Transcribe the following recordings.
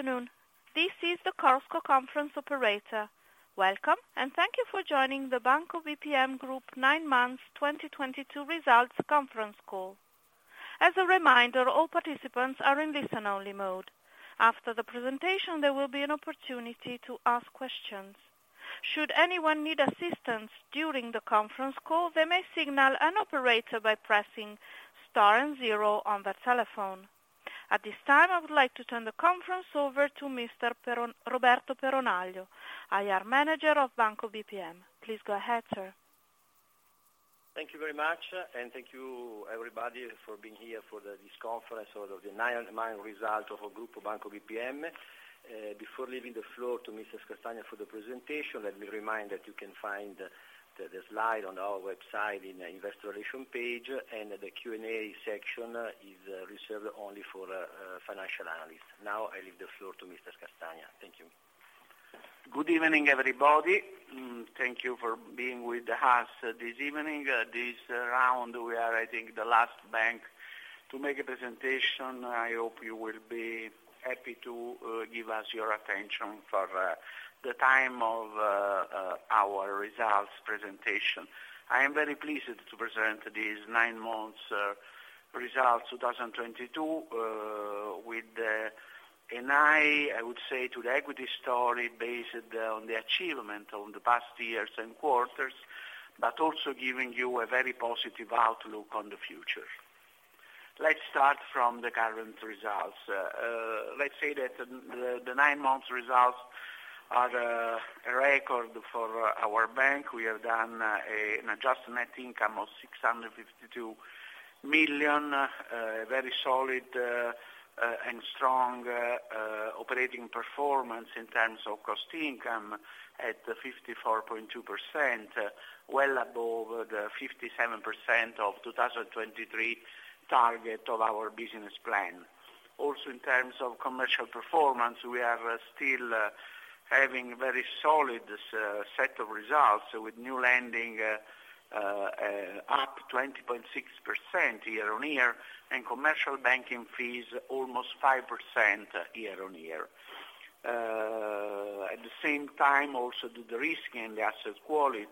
Good afternoon. This is the Chorus Call Conference Operator. Welcome, and thank you for joining the Banco BPM Group Nine Months 2022 Results Conference Call. As a reminder, all participants are in listen-only mode. After the presentation, there will be an opportunity to ask questions. Should anyone need assistance during the conference call, they may signal an operator by pressing star and zero on their telephone. At this time, I would like to turn the conference over to Roberto Peronaglio, IR Manager of Banco BPM. Please go ahead, sir. Thank you very much, and thank you everybody for being here for this conference of the nine-month result of our group of Banco BPM. Before leaving the floor to Mr. Castagna for the presentation, let me remind that you can find the slide on our website in the investor relations page, and the Q&A section is reserved only for financial analysts. Now, I leave the floor to Mr. Castagna. Thank you. Good evening, everybody, and thank you for being with us this evening. This round we are, I think, the last bank to make a presentation. I hope you will be happy to give us your attention for the time of our results presentation. I am very pleased to present these nine months results, 2022, with an eye, I would say, to the equity story based on the achievement of the past years and quarters, but also giving you a very positive outlook on the future. Let's start from the current results. Let's say that the nine months results are a record for our bank. We have done an adjusted net income of 652 million, very solid and strong operating performance in terms of cost-to-income at 54.2%, well above the 57% of 2023 target of our business plan. Also, in terms of commercial performance, we are still having very solid set of results with new lending up 20.6% year-on-year, and commercial banking fees almost 5% year-on-year. At the same time, also the de-risking and the asset quality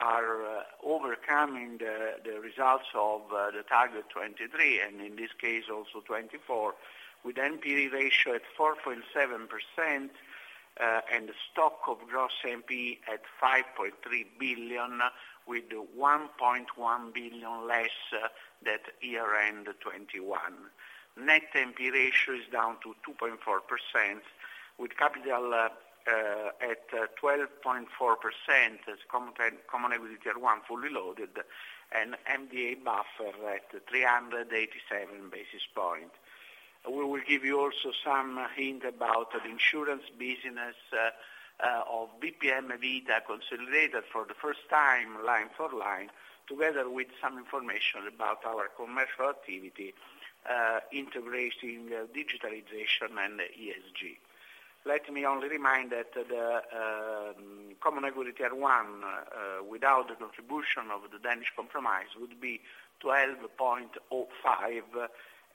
are overcoming the results of the target 2023, and in this case, also 2024, with NPE ratio at 4.7%, and stock of gross NPE at 5.3 billion, with 1.1 billion less than that year-end 2021. Net NPE ratio is down to 2.4%, with capital at 12.4% as Common Equity Tier 1 fully loaded and MDA buffer at 387 basis points. We will give you also some hint about the insurance business of BPM Vita consolidated for the first time line for line, together with some information about our commercial activity integrating digitalization and ESG. Let me only remind that the Common Equity Tier 1 without the contribution of the Danish Compromise would be 12.05,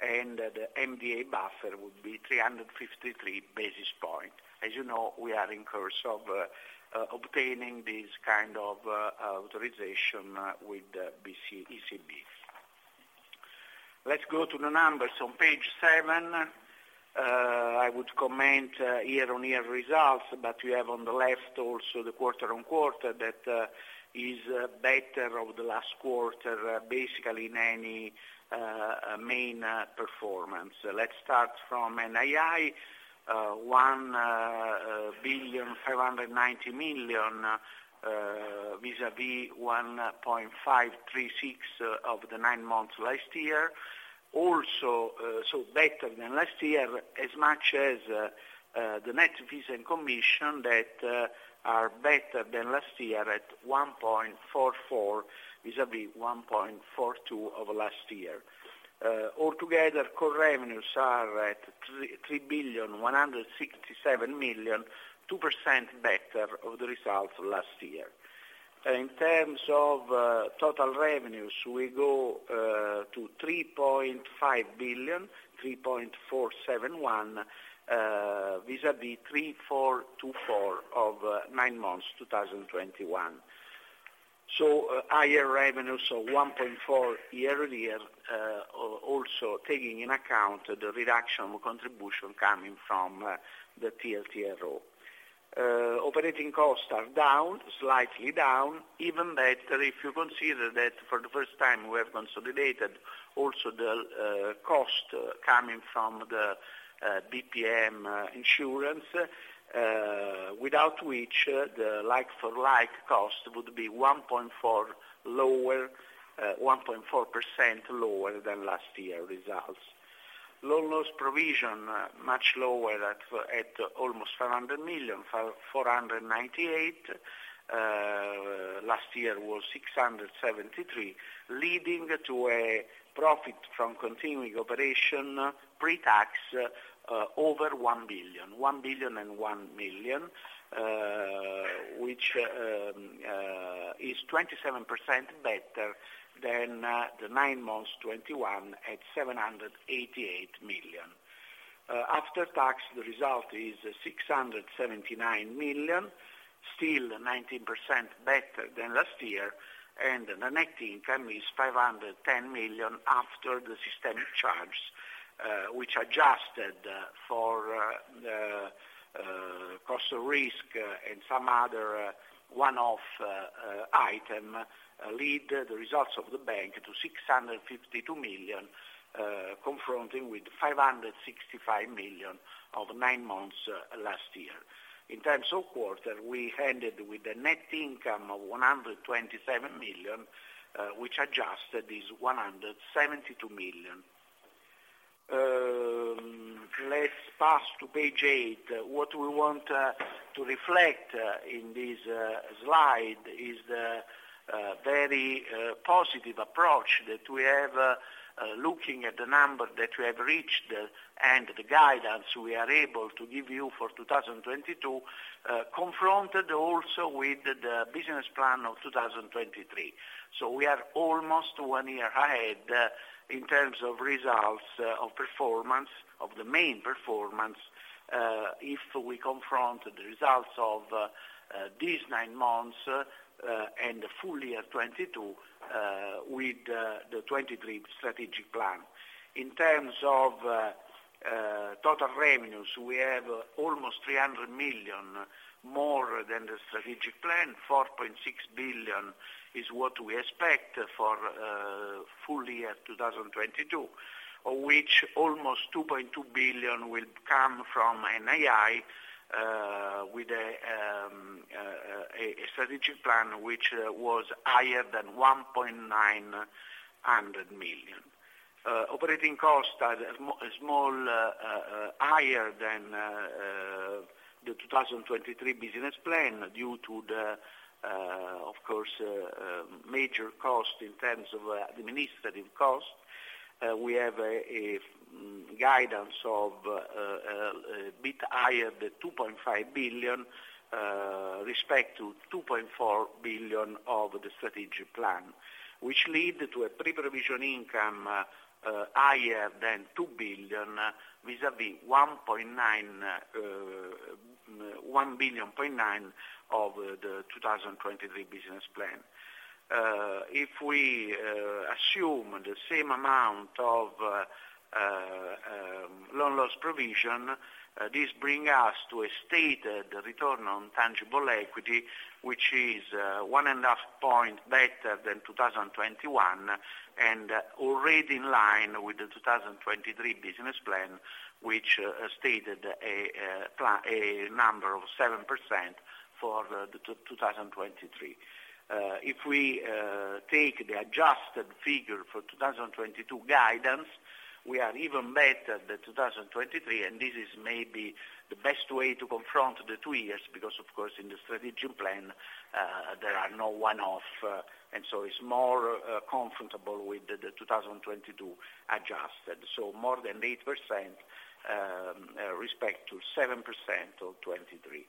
and the MDA buffer would be 353 basis points. As you know, we are in course of obtaining this kind of authorization with the ECB. Let's go to the numbers on page seven. I would comment on year-on-year results, but we have on the left also the quarter-on-quarter that is better than the last quarter, basically in any main performance. Let's start from NII, 1.59 billion vis-à-vis 1.536 billion of the nine months last year. Also, so better than last year as well as the net fees and commissions that are better than last year at 1.44 billion, vis-à-vis 1.42 billion of last year. Altogether core revenues are at 3.167 billion, 2% better than the results last year. In terms of total revenues, we go to 3.5 billion, 3.471 billion vis-à-vis 3.424 billion of nine months 2021. Higher revenues of 1.4% year-on-year, also taking into account the reduction of contribution coming from the TLTRO. Operating costs are down, slightly down. Even better, if you consider that for the first time we have consolidated also the cost coming from the BPM insurance, without which the like for like cost would be 1.4% lower than last year results. Loan loss provision much lower at almost 400 million, 498. Last year was 673, leading to a profit from continuing operation pre-tax over 1 billion. 1 billion and 1 million, which is 27% better than the nine months 2021 at 788 million. After tax, the result is 679 million, still 19% better than last year, and the net income is 510 million after the systemic charge, which adjusted for the cost of risk and some other one-off item, lead the results of the bank to 652 million, confronting with 565 million of nine months last year. In terms of quarter, we ended with a net income of 127 million, which adjusted is 172 million. Let's pass to page eight. What we want to reflect in this slide is the very positive approach that we have looking at the number that we have reached and the guidance we are able to give you for 2022, confronted also with the business plan of 2023. We are almost one year ahead in terms of results, of performance, of the main performance, if we confront the results of these nine months and full year 2022 with the 2023 strategic plan. In terms of total revenues, we have almost 300 million more than the strategic plan. 4.6 billion is what we expect for full year 2022, of which almost 2.2 billion will come from NII, with a strategic plan which was higher than 1.9 billion. Operating costs are modestly higher than the 2023 business plan due to, of course, major cost in terms of administrative cost. We have a guidance of a bit higher than 2.5 billion, respect to 2.4 billion of the strategic plan, which lead to a pre-provision income higher than 2 billion, vis-a-vis 1.9 billion of the 2023 business plan. If we assume the same amount of loan loss provision, this bring us to a stated return on tangible equity, which is 1.5 point better than 2021, and already in line with the 2023 business plan, which stated a number of 7% for 2023. If we take the adjusted figure for 2022 guidance, we are even better than 2023, and this is maybe the best way to confront the two years because of course, in the strategic plan, there are no one-off, and so it's more comfortable with the 2022 adjusted. More than 8% respect to 7% of 2023.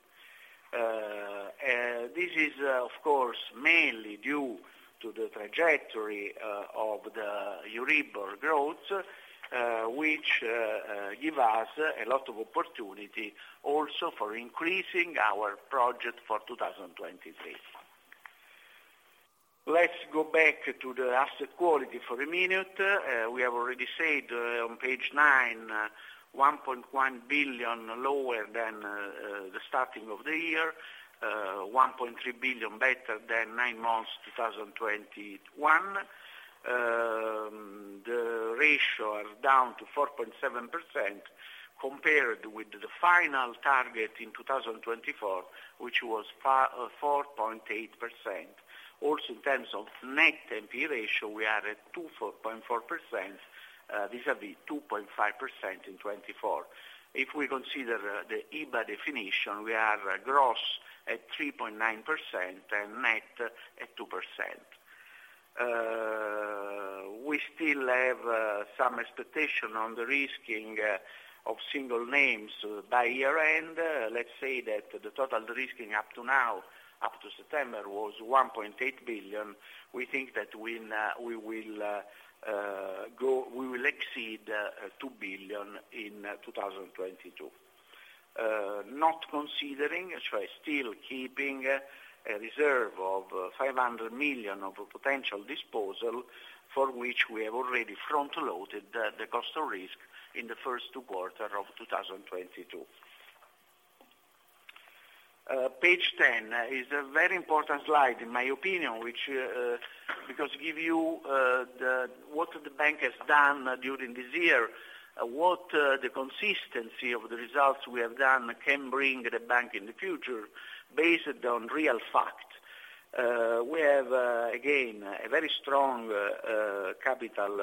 This is of course mainly due to the trajectory of the Euribor growth, which give us a lot of opportunity also for increasing our project for 2023. Let's go back to the asset quality for a minute. We have already said on page nine, 1.1 billion lower than the starting of the year, 1.3 billion better than nine months 2021. The ratio are down to 4.7% compared with the final target in 2024, which was 4.8%. Also, in terms of net NPE ratio, we are at 2.4%, vis-à-vis 2.5% in 2024. If we consider the EBA definition, we are gross at 3.9% and net at 2%. We still have some expectation on the de-risking of single names by year-end. Let's say that the total de-risking up to now, up to September, was 1.8 billion. We think that we will exceed 2 billion in 2022. Not considering, so still keeping a reserve of 500 million of potential disposal for which we have already front-loaded the cost of risk in the first two quarters of 2022. Page 10 is a very important slide, in my opinion, which, because it gives you what the bank has done during this year, what the consistency of the results we have done can bring the bank in the future based on real facts. We have again a very strong capital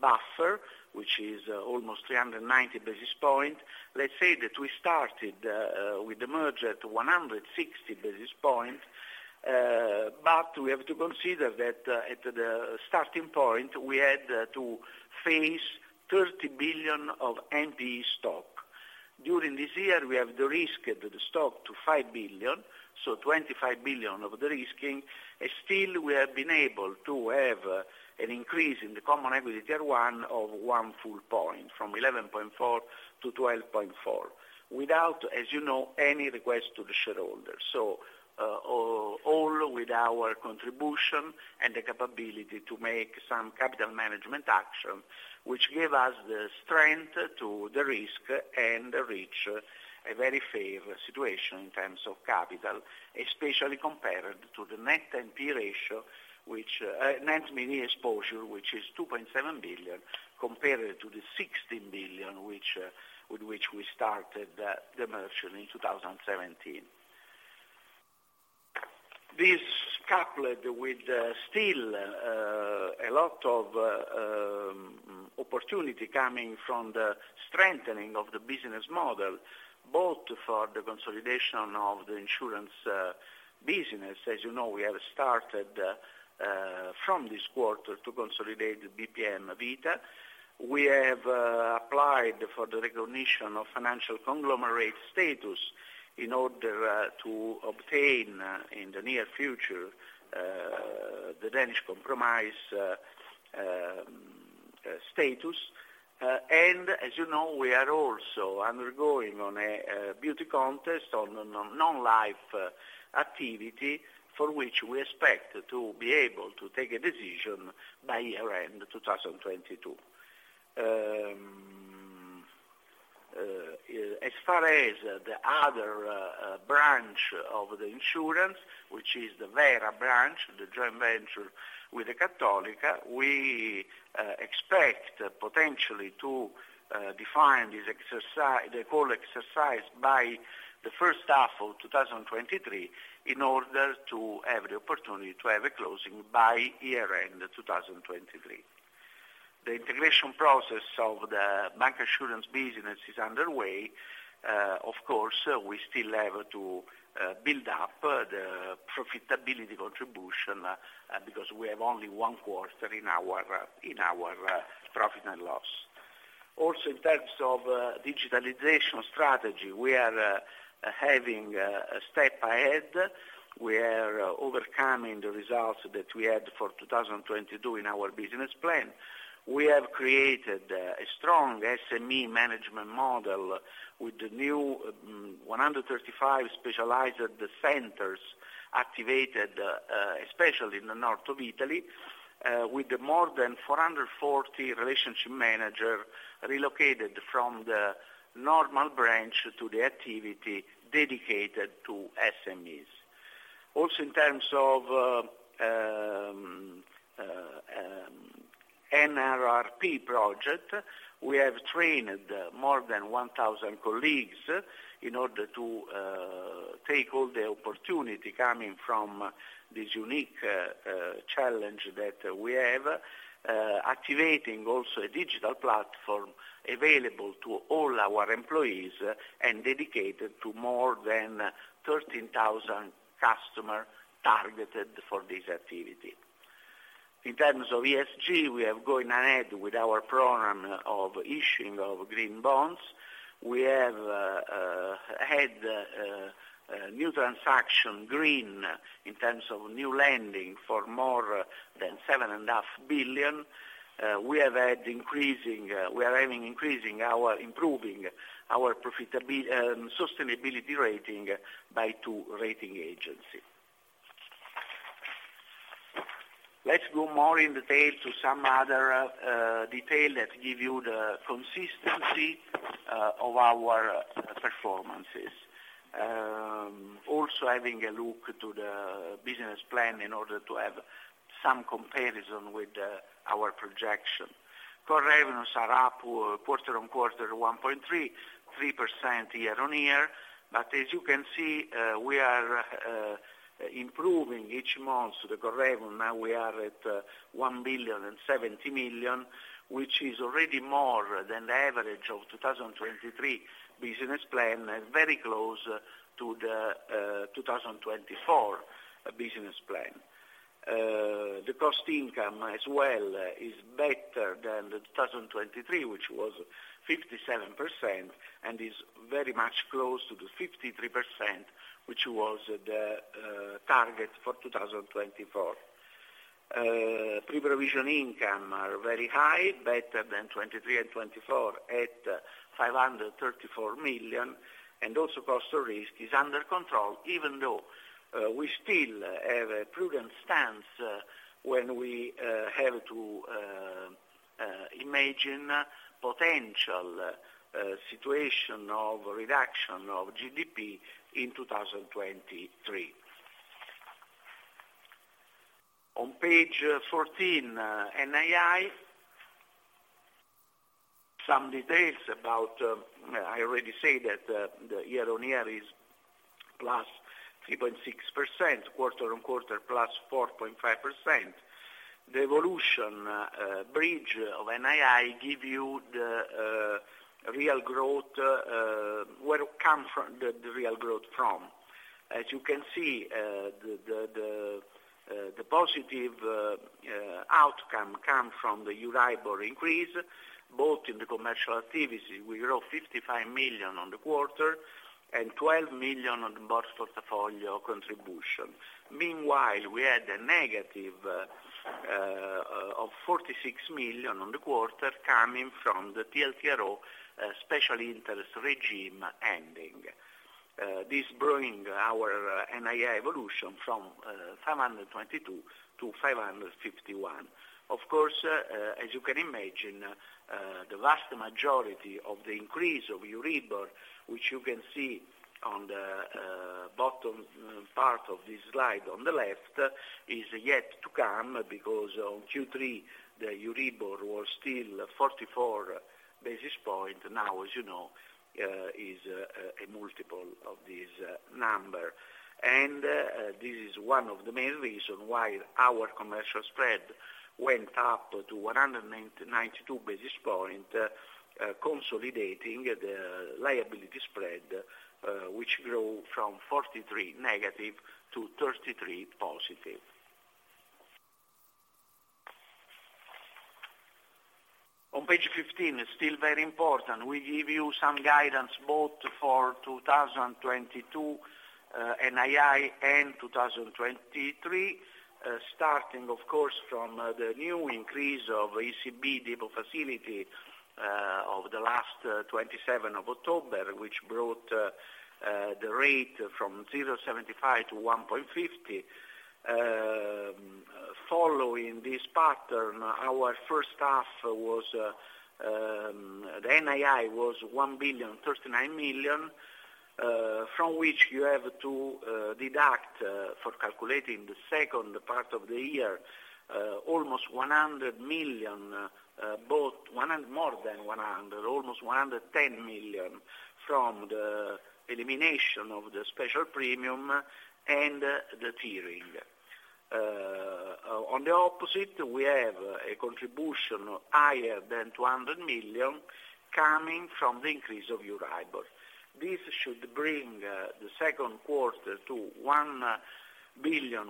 buffer which is almost 390 basis points. Let's say that we started with the merger to 160 basis points. We have to consider that at the starting point we had to face 30 billion of NPE stock. During this year we have de-risked the stock to 5 billion so 25 billion of de-risking. Still we have been able to have an increase in the Common Equity Tier 1 of one full point from 11.4 to 12.4 without as you know any request to the shareholders. All with our contribution and the capability to make some capital management action, which give us the strength to de-risk and reach a very fair situation in terms of capital, especially compared to the net NPE ratio, which net NPE exposure, which is 2.7 billion compared to the 60 billion with which we started the merger in 2017. This coupled with still a lot of opportunity coming from the strengthening of the business model, both for the consolidation of the insurance business. As you know, we have started from this quarter to consolidate BPM Vita. We have applied for the recognition of financial conglomerate status in order to obtain in the near future the Danish Compromise status. As you know, we are also undergoing a beauty contest on non-life activity, for which we expect to be able to take a decision by year-end 2022. As far as the other branch of the insurance, which is the Vera branch, the joint venture with Cattolica, we expect potentially to define the call exercise by the first half of 2023 in order to have the opportunity to have a closing by year-end 2023. The integration process of the bancassurance business is underway. Of course, we still have to build up the profitability contribution, because we have only one quarter in our profit and loss. Also, in terms of digitalization strategy, we are having a step ahead. We are overcoming the results that we had for 2022 in our business plan. We have created a strong SME management model with the new 135 specialized centers activated, especially in the North of Italy, with the more than 440 relationship manager relocated from the normal branch to the activity dedicated to SMEs. Also in terms of NRRP project, we have trained more than 1,000 colleagues in order to take all the opportunity coming from this unique challenge that we have, activating also a digital platform available to all our employees and dedicated to more than 13,000 customer targeted for this activity. In terms of ESG, we are going ahead with our program of issuing of green bonds. We have had new green transactions in terms of new lending for more than 7.5 billion. We have had increasing our profitability, improving our sustainability rating by two rating agencies. Let's go more in detail to some other details that give you the consistency of our performances. Also having a look to the business plan in order to have some comparison with our projection. Core revenues are up quarter-on-quarter 1.3% year-on-year. As you can see, we are improving each month the core revenue. Now we are at 1.07 billion, which is already more than the average of the 2023 business plan, and very close to the 2024 business plan. The cost income as well is better than the 2023, which was 57% and is very much close to the 53%, which was the target for 2024. Pre-provision income are very high, better than 2023 and 2024 at 534 million. Also cost of risk is under control, even though we still have a prudent stance when we have to imagine potential situation of reduction of GDP in 2023. On page 14, NII, some details about. I already said that the year-on-year is +3.6%, quarter-on-quarter +4.5%. The evolution bridge of NII give you the real growth where it come from, the real growth from. As you can see, the positive outcome come from the Euribor increase, both in the commercial activities, we grow 55 million on the quarter and EUR 12 million. On page 15, still very important, we give you some guidance both for 2022 NII and 2023, starting of course from the new increase of ECB deposit facility of the last October 27, which brought the rate from 0.75%-1.50%. Following this pattern, our first half was the NII was 1.039 billion, from which you have to deduct for calculating the second part of the year, almost 100 million, both one and more than 100, almost 110 million from the elimination of the special premium and the tiering. On the opposite, we have a contribution higher than 200 million coming from the increase of Euribor. This should bring the second quarter to 1.14 billion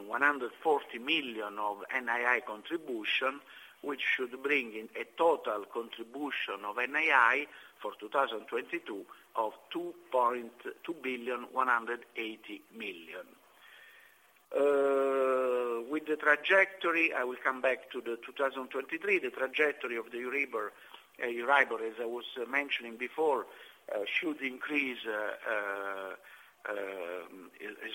of NII contribution, which should bring in a total contribution of NII for 2022 of 2.38 billion. With the trajectory, I will come back to the 2023. The trajectory of the Euribor as I was mentioning before is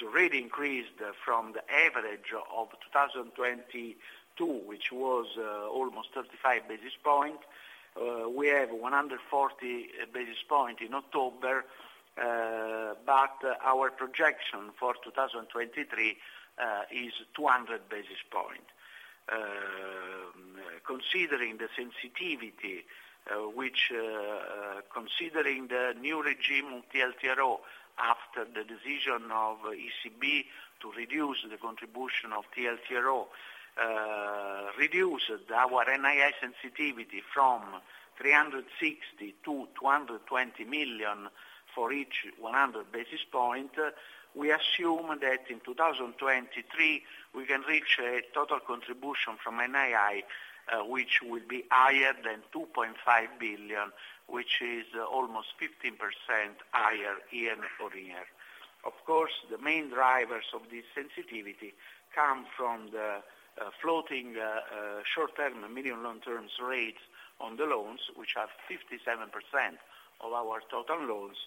already increased from the average of 2022, which was almost 35 basis points. We have 140 basis points in October, but our projection for 2023 is 200 basis points. Considering the sensitivity, considering the new regime of TLTRO after the decision of ECB to reduce the contribution of TLTRO reduced our NII sensitivity from 360 million to 220 million for each 100 basis points, we assume that in 2023 we can reach a total contribution from NII which will be higher than 2.5 billion, which is almost 15% higher year-on-year. Of course, the main drivers of this sensitivity come from the floating short-term and medium long-term rates on the loans, which have 57% of our total loans,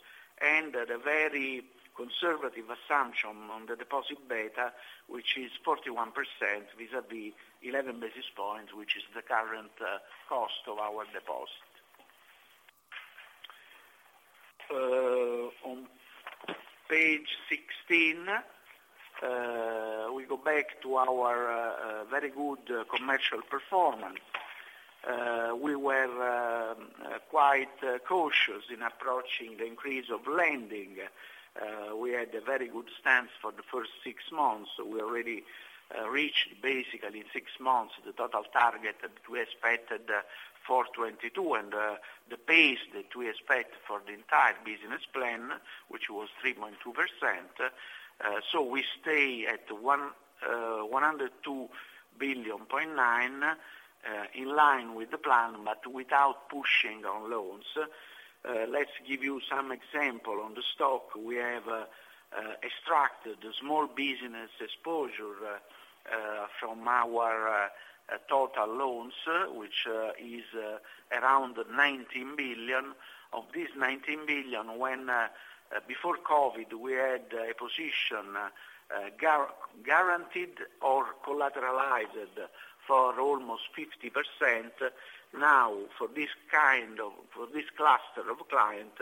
and the very conservative assumption on the deposit beta, which is 41% vis-a-vis 11 basis points, which is the current cost of our deposit. On page 16, we go back to our very good commercial performance. We were quite cautious in approaching the increase of lending. We had a very good stance for the first six months. We already reached basically six months the total target that we expected for 2022, and the pace that we expect for the entire business plan, which was 3.2%. We stay at 102.9 billion, in line with the plan, but without pushing on loans. Let's give you some example. On the stock, we have extracted the small business exposure from our total loans, which is around 19 billion. Of this 19 billion, before COVID, we had a position guaranteed or collateralized for almost 50%. Now, for this cluster of client,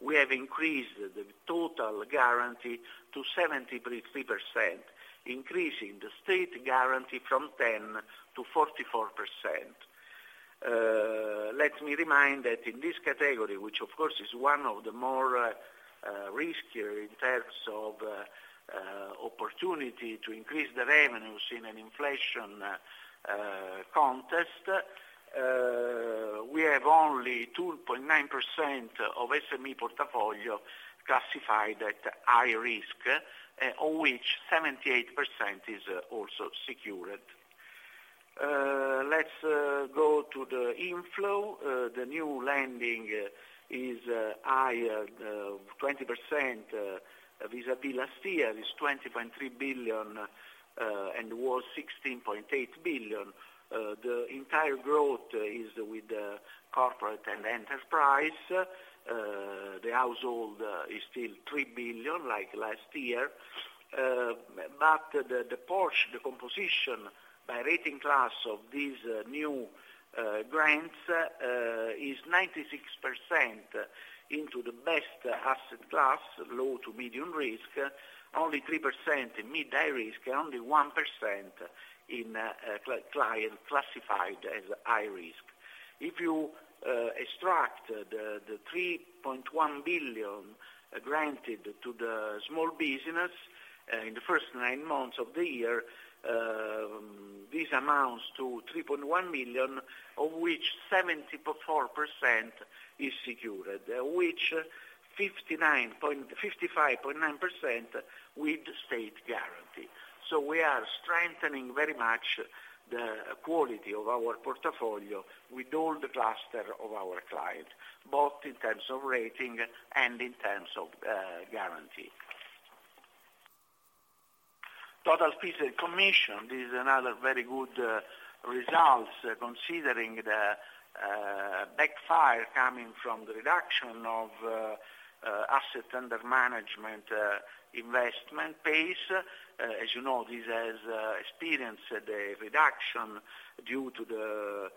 we have increased the total guarantee to 73%, increasing the state guarantee from 10% to 44%. Let me remind that in this category, which of course is one of the more riskier in terms of opportunity to increase the revenues in an inflation context, we have only 2.9% of SME portfolio classified at high risk, of which 78% is also secured. Let's go to the inflow. The new lending is higher 20% vis-a-vis last year, is 20.3 billion, and was 16.8 billion. The entire growth is with the corporate and enterprise. The household is still 3 billion like last year. The portion, the composition by rating class of these new grants is 96% into the best asset class, low to medium risk, only 3% in mid-high risk, and only 1% in client classified as high risk. If you extract the 3.1 billion granted to the small business in the first nine months of the year, this amounts to 3.1 million, of which 74% is secured, which 55.9% with state guarantee. We are strengthening very much the quality of our portfolio with all the cluster of our clients, both in terms of rating and in terms of guarantee. Total fees and commission. This is another very good results considering the backdrop coming from the reduction of asset under management investment pace. As you know, this has experienced a reduction due to the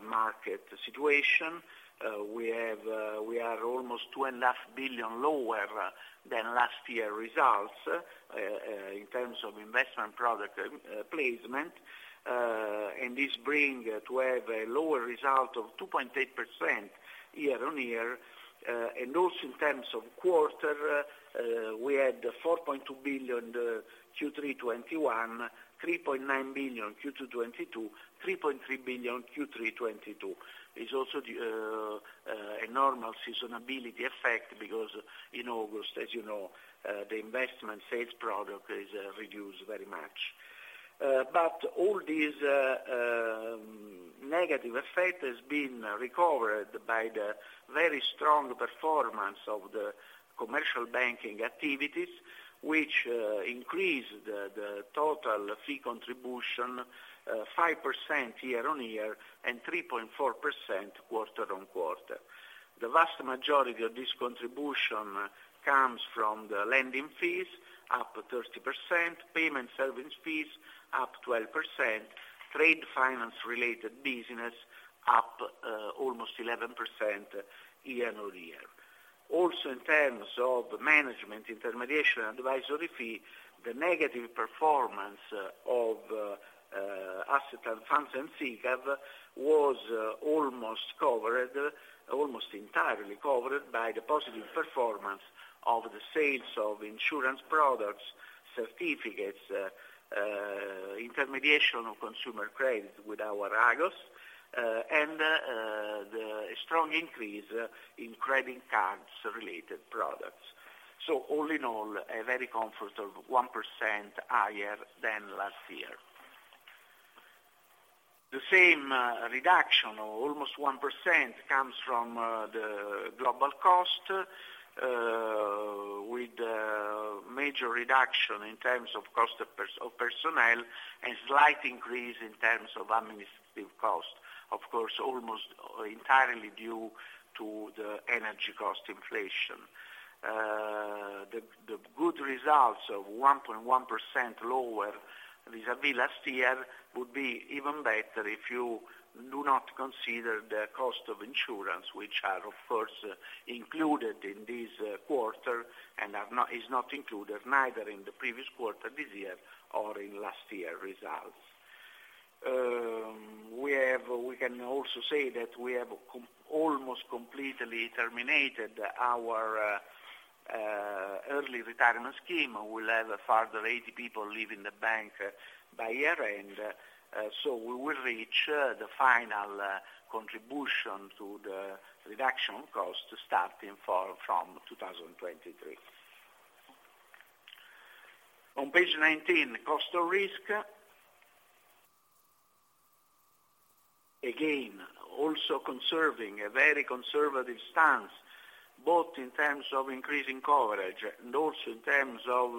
market situation. We are almost 2.5 billion lower than last year results in terms of investment product placement and this bring to have a lower result of 2.8% year-on-year. In terms of quarter, we had 4.2 billion Q3 2021, 3.9 billion Q2 2022, 3.3 billion Q3 2022. It's also a normal seasonality effect because in August, as you know, the investment sales product is reduced very much. All these negative effect has been recovered by the very strong performance of the commercial banking activities, which increased the total fee contribution 5% year-on-year and 3.4% quarter-on-quarter. The vast majority of this contribution comes from the lending fees, up 30%, payment service fees up 12%, trade finance related business up almost 11% year-on-year. Also, in terms of management, intermediation, and advisory fee, the negative performance of asset and funds and SICAV was almost covered, almost entirely covered by the positive performance of the sales of insurance products, certificates, intermediation of consumer credit with our Agos, and the strong increase in credit cards related products. All in all, a very comfortable 1% higher than last year. The same reduction of almost 1% comes from the global cost with a major reduction in terms of cost of personnel and slight increase in terms of administrative cost, of course, almost entirely due to the energy cost inflation. The good results of 1.1% lower vis-a-vis last year would be even better if you do not consider the cost of insurance, which are of course included in this quarter and is not included neither in the previous quarter this year or in last year results. We can also say that we have almost completely terminated our early retirement scheme. We'll have further 80 people leaving the bank by year-end, so we will reach the final contribution to the reduction cost starting from 2023. On page 19, cost of risk. Again, also conserving a very conservative stance, both in terms of increasing coverage and also in terms of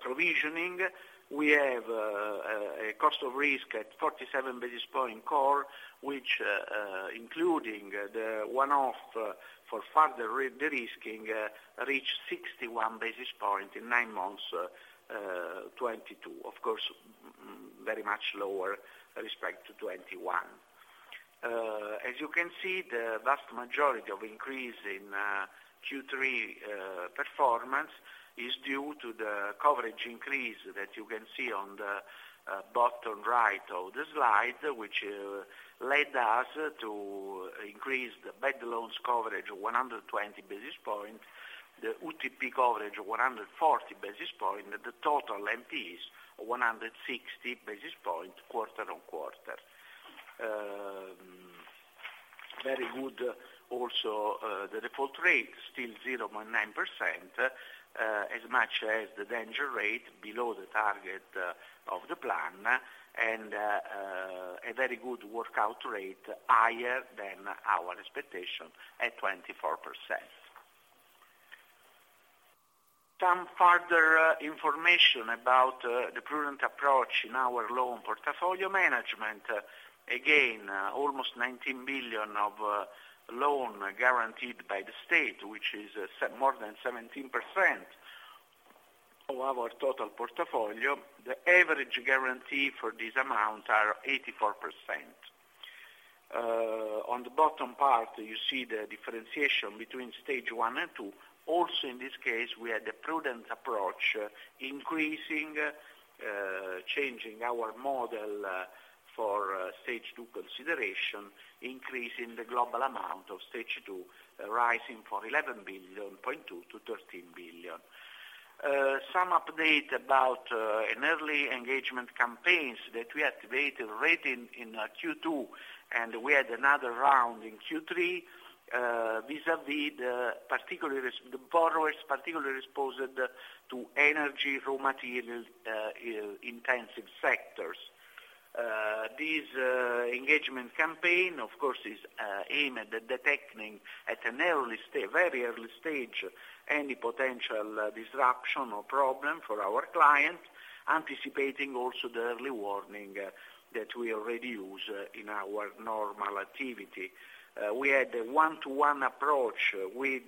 provisioning. We have a cost of risk at 47 basis points core, which, including the one-off for further de-risking, reached 61 basis points in nine months 2022. Of course, very much lower with respect to 2021. As you can see, the vast majority of increase in Q3 performance is due to the coverage increase that you can see on the bottom right of the slide, which led us to increase the bad loans coverage 120 basis points, the UTP coverage 140 basis points, the total NPEs 160 basis points quarter-on-quarter. Very good also, the default rate still 0.9%, as much as the danger rate below the target of the plan, and a very good workout rate higher than our expectation at 24%. Some further information about the prudent approach in our loan portfolio management. Again, almost 19 billion of loan guaranteed by the state, which is more than 17% of our total portfolio. The average guarantee for this amount are 84%. On the bottom part, you see the differentiation between stage one and stage two. Also, in this case, we had a prudent approach, increasing, changing our model, for stage two consideration, increasing the global amount of stage two, rising from 11.2 billion to 13 billion. Some update about an early engagement campaigns that we activated already in Q2, and we had another round in Q3. vis-à-vis the borrowers particularly exposed to energy raw materials intensive sectors. This engagement campaign, of course, is aimed at detecting at a very early stage any potential disruption or problem for our clients, anticipating also the early warning that we already use in our normal activity. We had a one-to-one approach with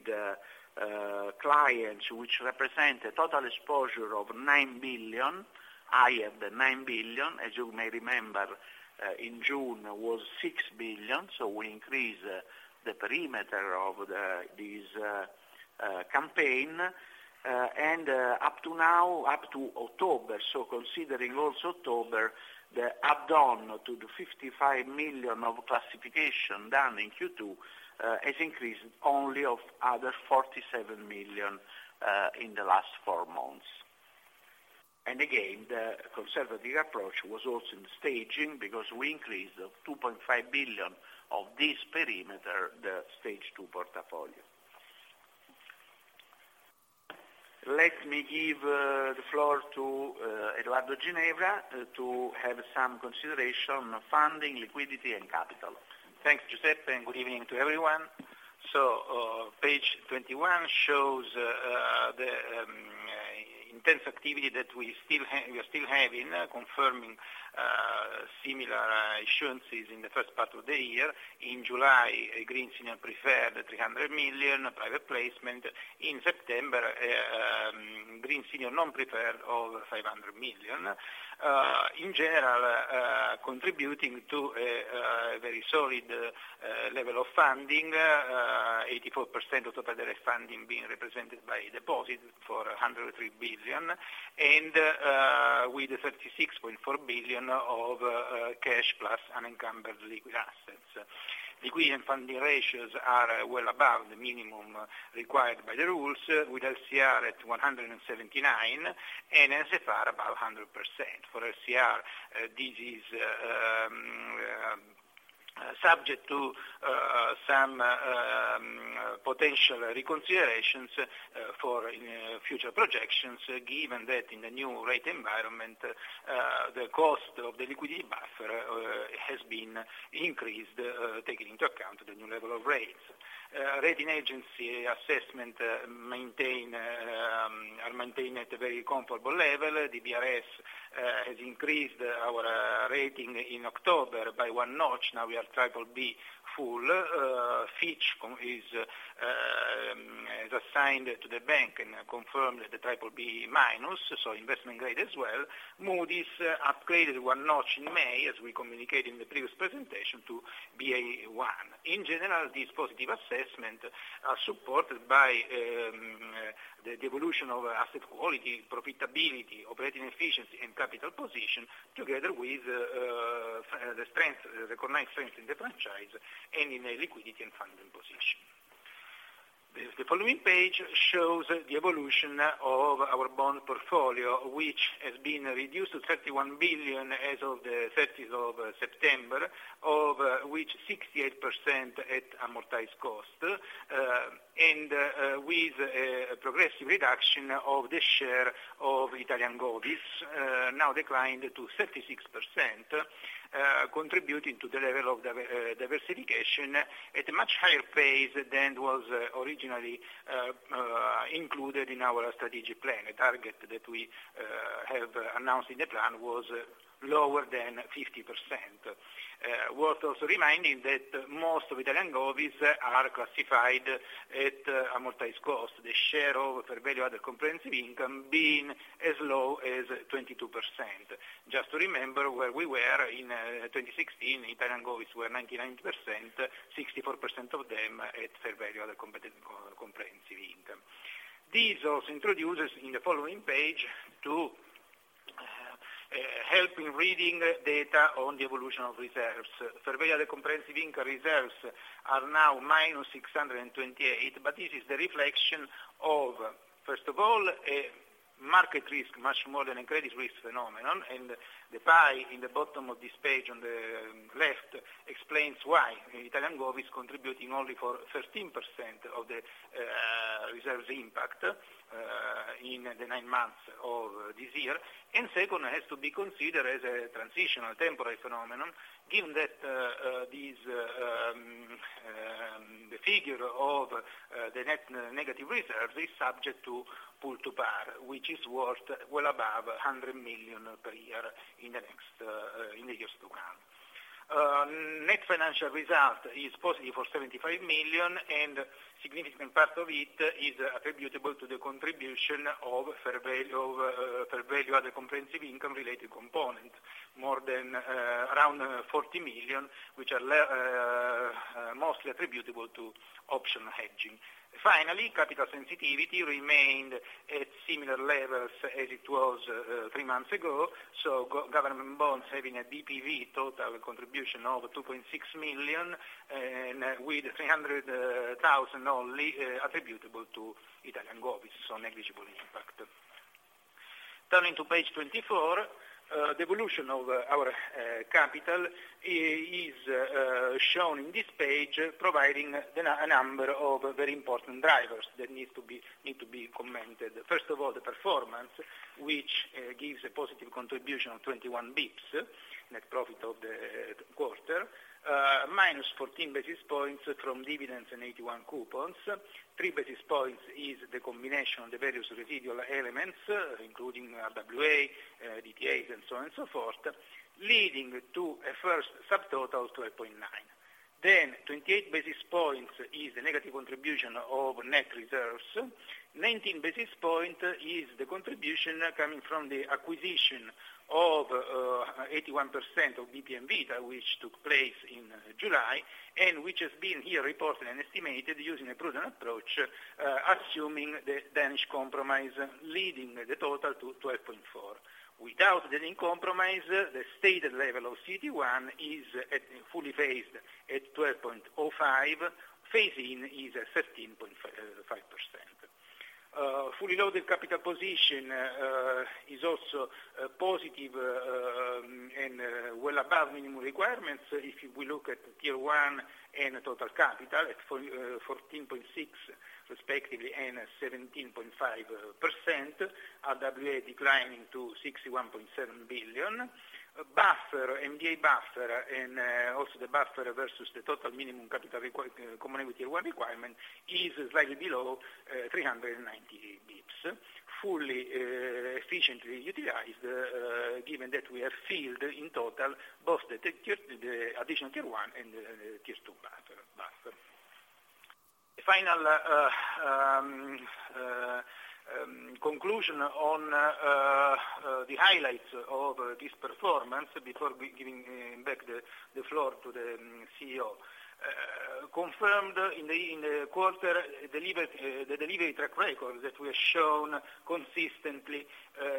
clients, which represent a total exposure of 9 billion, higher than 9 billion. As you may remember, in June was 6 billion, so we increased the parameter of this campaign. Up to now, up to October, so considering also October, the add-on to the 55 million of classification done in Q2 has increased only of another 47 million in the last four months. Again, the conservative approach was also in staging because we increased 2.5 billion of this perimeter, the stage two portfolio. Let me give the floor to Edoardo Ginevra to have some consideration on funding, liquidity, and capital. Thanks, Giuseppe, and good evening to everyone. Page 21 shows the intense activity that we still have, confirming similar issuances in the first part of the year. In July, a green senior preferred 300 million private placement. In September, green senior non-preferred over 500 million. In general, contributing to a very solid level of funding, 84% of total funding being represented by deposits of 103 billion, and with 36.4 billion of cash plus unencumbered liquid assets. Liquid and funding ratios are well above the minimum required by the rules, with LCR at 179%, and NSFR above 100%. For LCR, this is subject to some potential reconsiderations for future projections, given that in the new rate environment, the cost of the liquidity buffer has been increased, taking into account the new level of rates. Rating agency assessment are maintained at a very comfortable level. DBRS has increased our rating in October by one notch. Now we are BBB. Fitch has assigned to the bank and confirmed the BBB-, so investment grade as well. Moody's upgraded one notch in May, as we communicated in the previous presentation, to Ba1. In general, this positive assessment are supported by the evolution of asset quality, profitability, operating efficiency and capital position, together with the strength, the recognized strength in the franchise and in a liquidity and funding position. The following page shows the evolution of our bond portfolio, which has been reduced to 31 billion as of the thirtieth of September, of which 68% at amortized cost, and with a progressive reduction of the share of Italian govies, now declined to 36%, contributing to the level of diversification at a much higher pace than was originally included in our strategic plan, a target that we have announced in the plan was lower than 50%. Worth also reminding that most of Italian govies are classified at amortized cost. The share of fair value through other comprehensive income being as low as 22%. Just to remember where we were in 2016, Italian govies were 99%, 64% of them at fair value through other comprehensive income. This also introduces in the following page to help in reading data on the evolution of reserves. Fair value through other comprehensive income reserves are now -628 million, but this is the reflection of, first of all, a market risk much more than a credit risk phenomenon, and the pie in the bottom of this page on the left explains why Italian govies contributing only for 13% of the reserves impact in the nine months of this year. Second has to be considered as a transitional temporary phenomenon, given that the figure of the net negative reserve is subject to pull to par, which is worth well above 100 million per year in the years to come. Net financial result is positive for 75 million, and significant part of it is attributable to the contribution of fair value through other comprehensive income-related component, more than around 40 million, which are mostly attributable to option hedging. Finally, capital sensitivity remained at similar levels as it was three months ago. Government bonds having a BPV total contribution of 2.6 million, and with 300,000 only attributable to Italian govies, so negligible impact. Turning to page 24, the evolution of our capital is shown in this page, providing a number of very important drivers that need to be commented. First of all, the performance, which gives a positive contribution of 21 basis points, net profit of the quarter minus 14 basis points from dividends and 81 basis points. 3 basis points is the combination of the various residual elements, including RWA, DTAs, and so on and so forth, leading to a first subtotal of 12.9. Twenty-eight basis points is the negative contribution of net reserves. 19 basis point is the contribution coming from the acquisition of 81% of BPM Vita, which took place in July, and which has been here reported and estimated using a prudent approach, assuming the Danish Compromise, leading the total to 12.4. Without the Danish Compromise, the stated level of CET1 is at fully phased at 12.05. Phase-in is at 13.5%. Fully loaded capital position and well above minimum requirements. If you will look at Tier 1 and total capital at 14.6%, respectively, and 17.5%, RWA declining to 61.7 billion. Buffer, MDA buffer, and also the buffer versus the total minimum capital Common Equity Tier 1 requirement is slightly below 390 bps. Fully efficiently utilized, given that we have filled in total both the tier, the Additional Tier 1 and the Tier 2 buffer. The final conclusion on the highlights of this performance, before we giving back the floor to the CEO, confirmed in the quarter delivered the delivery track record that we have shown consistently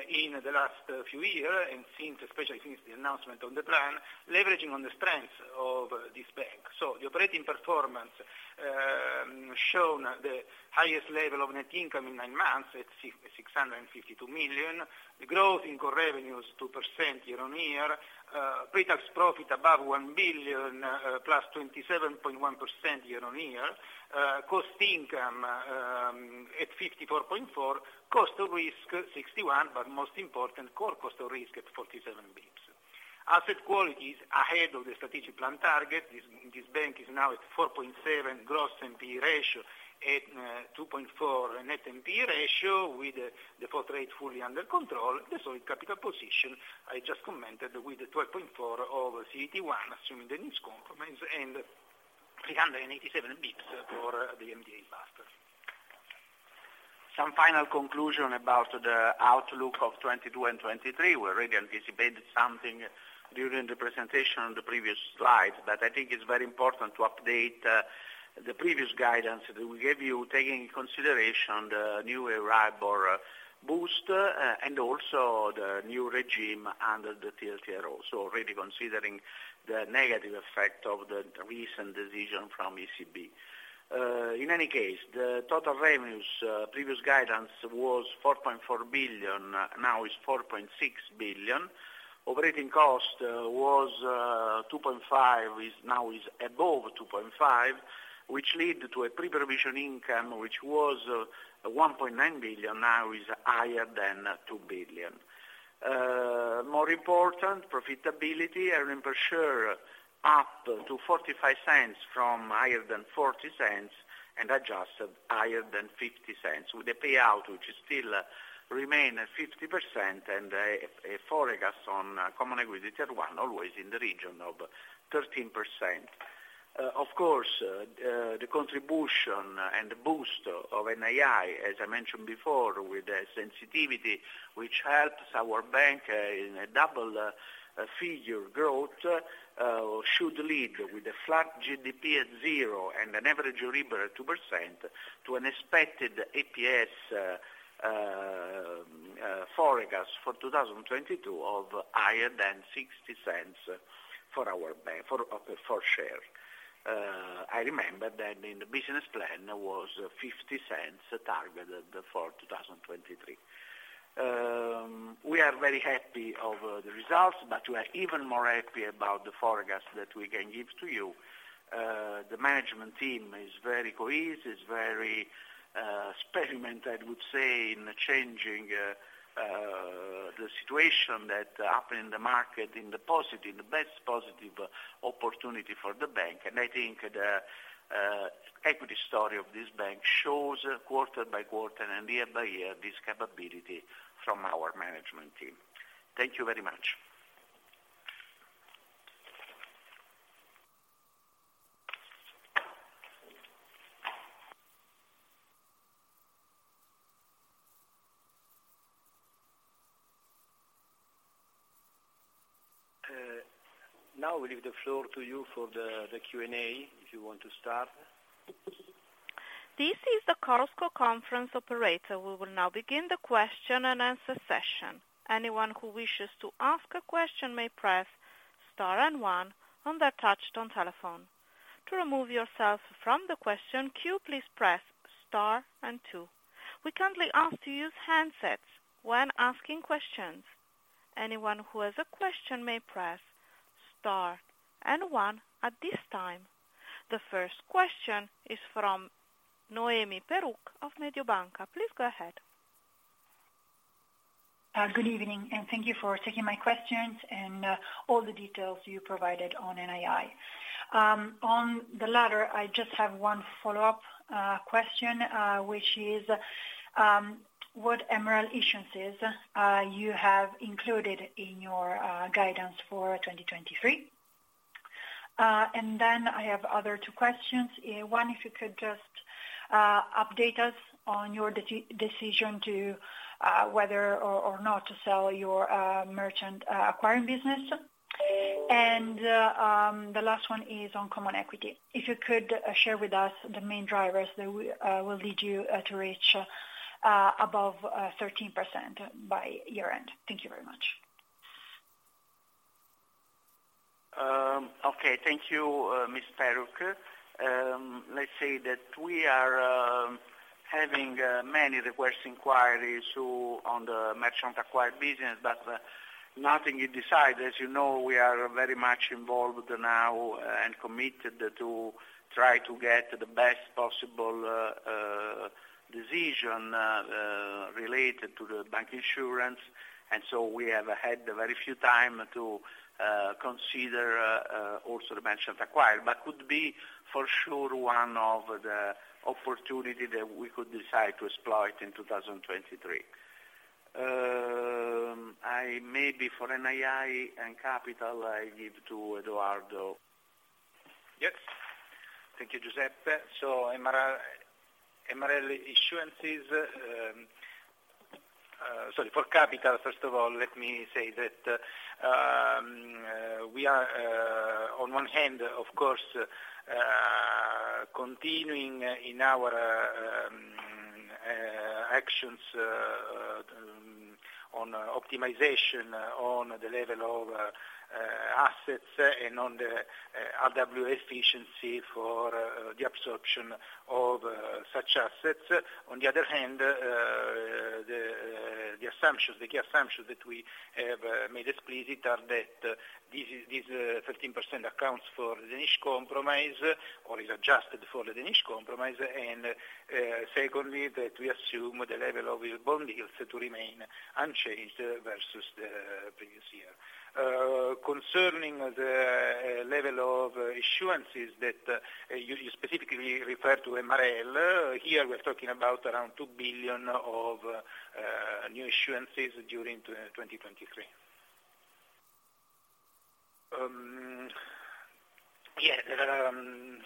in the last few year and since, especially since the announcement of the plan, leveraging on the strength of this bank. The operating performance shows the highest level of net income in nine months at 652 million. The growth in core revenues 2% year-on-year. Pretax profit above 1 billion +27.1% year-on-year. Cost income at 54.4. Cost of risk 61, but most important, core cost of risk at 47 basis points. Asset quality is ahead of the strategic plan target. This bank is now at 4.7 gross NPE ratio and 2.4 net NPE ratio, with the default rate fully under control. The solid capital position I just commented with the 12.4 of CET1 assuming the Danish Compromise and 387 basis points for the MDA buffer. Some final conclusion about the outlook of 2022 and 2023. We already anticipated something during the presentation on the previous slide, but I think it's very important to update the previous guidance that we gave you, taking into consideration the new NRRP boost and also the new regime under the TLTRO. Already considering the negative effect of the recent decision from ECB. In any case, the total revenues, previous guidance was 4.4 billion, now is 4.6 billion. Operating cost was 2.5, is now above 2.5, which lead to a pre-provision income, which was 1.9 billion, now is higher than 2 billion. More important, profitability, earnings per share up to $0.45 from higher than $0.40, and adjusted higher than $0.50, with a payout which still remain at 50% and a forecast on Common Equity Tier 1 always in the region of 13%. Of course, the contribution and the boost of NII, as I mentioned before, with the sensitivity which helps our bank in a double figure growth, should lead with a flat GDP at zero and an average Euribor at 2% to an expected EPS forecast for 2022 of higher than $0.60 for our bank, per share. I remember that in the business plan was $0.50 targeted for 2023. We are very happy of the results, but we are even more happy about the forecast that we can give to you. The management team is very cohesive, very experienced, I would say, in changing the situation that happened in the market in the positive, the best positive opportunity for the bank. I think the equity story of this bank shows quarter-by-quarter and year-by-year this capability from our management team. Thank you very much. Now we leave the floor to you for the Q&A, if you want to start. This is the Chorus Call operator. We will now begin the question and answer session. Anyone who wishes to ask a question may press star and one on their touchtone telephone. To remove yourself from the question queue, please press star and two. We kindly ask to use handsets when asking questions. Anyone who has a question may press star and one at this time. The first question is from Noemi Peruch of Mediobanca. Please go ahead. Good evening, and thank you for taking my questions and all the details you provided on NII. On the latter, I just have one follow-up question, which is, what MREL issuances you have included in your guidance for 2023. Then I have two other questions. One, if you could just update us on your decision to whether or not to sell your merchant acquiring business. The last one is on common equity. If you could share with us the main drivers that will lead you to reach above 13% by year-end. Thank you very much. Okay. Thank you, Ms. Peruch. Let's say that we are having many requests, inquiries to, on the merchant acquiring business, but nothing is decided. As you know, we are very much involved now and committed to try to get the best possible decision related to the bancassurance. We have had very little time to consider also the merchant acquiring, but could be for sure one of the opportunity that we could decide to exploit in 2023. Maybe for NII and capital, I give to Edoardo. Yes. Thank you, Giuseppe. MREL issuances, sorry for capital, first of all, let me say that we are on one hand, of course, continuing in our actions on optimization on the level of assets and on the RWA efficiency for the absorption of such assets. On the other hand, the assumptions, the key assumptions that we have made explicit are that this is, this 13% accounts for the Danish Compromise or is adjusted for the Danish Compromise. Secondly, that we assume the level of bond yields to remain unchanged versus the previous year. Concerning the level of issuances that you specifically refer to MREL, here we are talking about around 2 billion of new issuances during 2023. Yeah.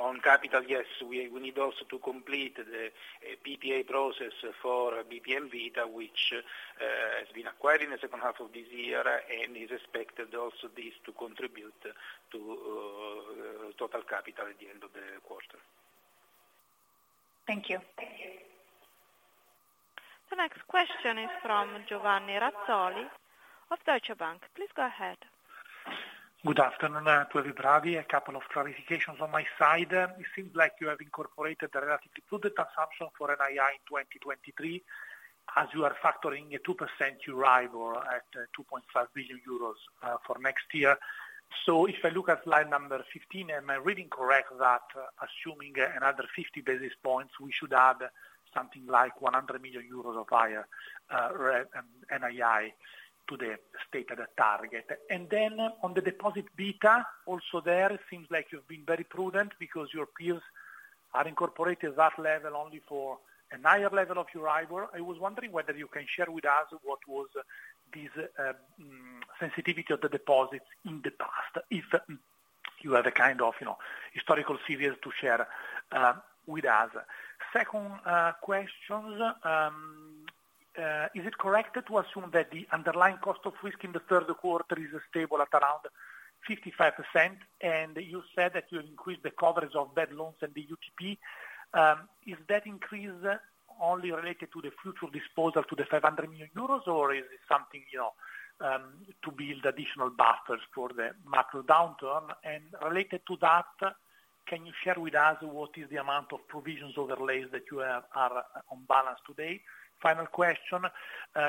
On capital, yes, we need also to complete the PPA process for BPM Vita, which has been acquired in the second half of this year and is expected also this to contribute to total capital at the end of the quarter. Thank you. The next question is from Giovanni Razzoli of Deutsche Bank. Please go ahead. Good afternoon. To everybody, a couple of clarifications on my side. It seems like you have incorporated the sensitivity to the assumption for NII in 2023, as you are factoring a 2% arrival at 2.5 billion euros for next year. If I look at slide number 15, am I reading correct that assuming another 50 basis points, we should add something like 100 million euros of higher NII to the stated target? Then on the deposit beta, also there, it seems like you've been very prudent because your peers have incorporated that level only for a higher level of Euribor. I was wondering whether you can share with us what was this sensitivity of the deposits in the past, if you have a kind of, you know, historical series to share with us. Second question, is it correct to assume that the underlying cost of risk in the third quarter is stable at around 55%? You said that you increased the coverage of bad loans and the UTP. Is that increase only related to the future disposal to 500 million euros, or is it something, you know, to build additional buffers for the macro downturn? Related to that, can you share with us what is the amount of provisions overlays that you have on balance today? Final question,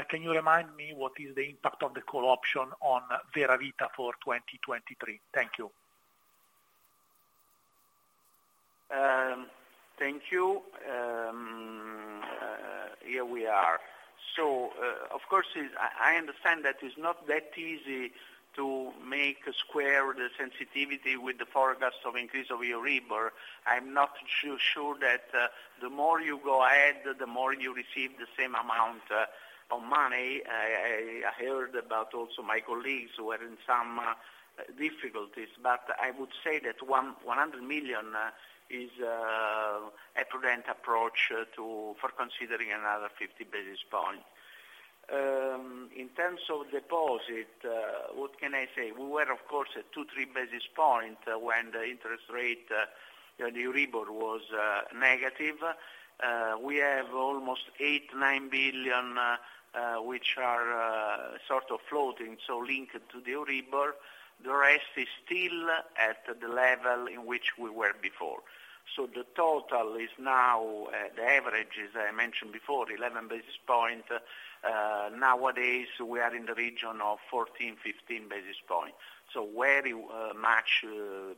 can you remind me what is the impact of the call option on Vera Vita for 2023? Thank you. Thank you. Here we are. Of course, I understand that it's not that easy to make square the sensitivity with the forecast of increase of Euribor. I'm not sure that the more you go ahead, the more you receive the same amount of money. I heard about also my colleagues who are in some difficulties, but I would say that 100 million is a prudent approach for considering another 50 basis points. In terms of deposit, what can I say? We were of course at 2-3 basis points when the interest rate, you know, the Euribor was negative. We have almost 8 billion-9 billion which are sort of floating, so linked to the Euribor. The rest is still at the level in which we were before. The total is now the average, as I mentioned before, 11 basis points. Nowadays, we are in the region of 14, 15 basis points. Very much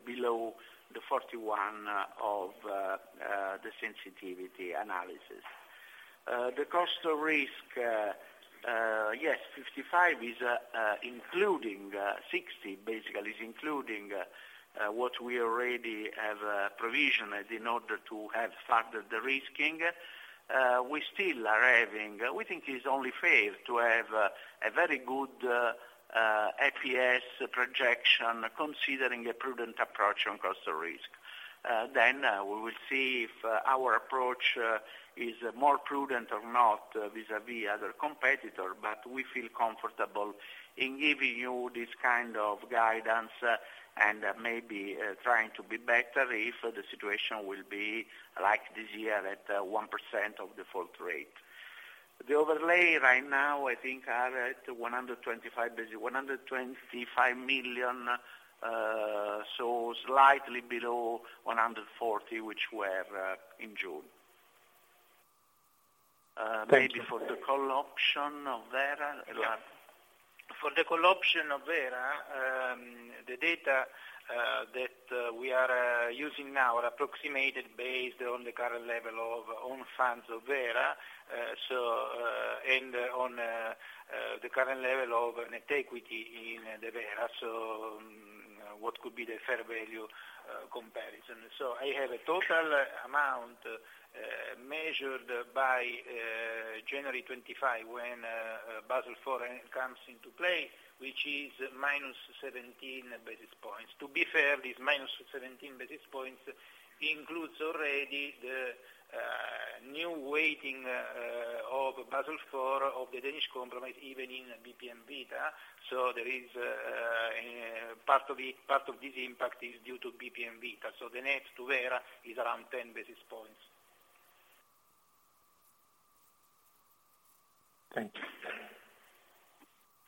below the 41 of the sensitivity analysis. The cost of risk, yes, 55 is including, 60 basically is including what we already have provisioned in order to have started the de-risking. We still are having. We think it's only fair to have a very good EPS projection considering a prudent approach on cost of risk. We will see if our approach is more prudent or not vis-à-vis other competitor, but we feel comfortable in giving you this kind of guidance and maybe trying to be better if the situation will be like this year at 1% default rate. The overlay right now I think are at 125 basis, 125 million, so slightly below 140 million, which were in June. Thank you. Maybe for the call option of Vera Vita. For the call option of Vera, the data that we are using now are approximated based on the current level of own funds of Vera and on the current level of net equity in the Vera. What could be the fair value comparison. I have a total amount measured by January 25, when Basel IV comes into play, which is minus 17 basis points. To be fair, this minus 17 basis points includes already the new weighting of Basel IV of the Danish Compromise, even in BPM Vita. There is part of this impact is due to BPM Vita. The net to Vera is around 10 basis points. Thank you.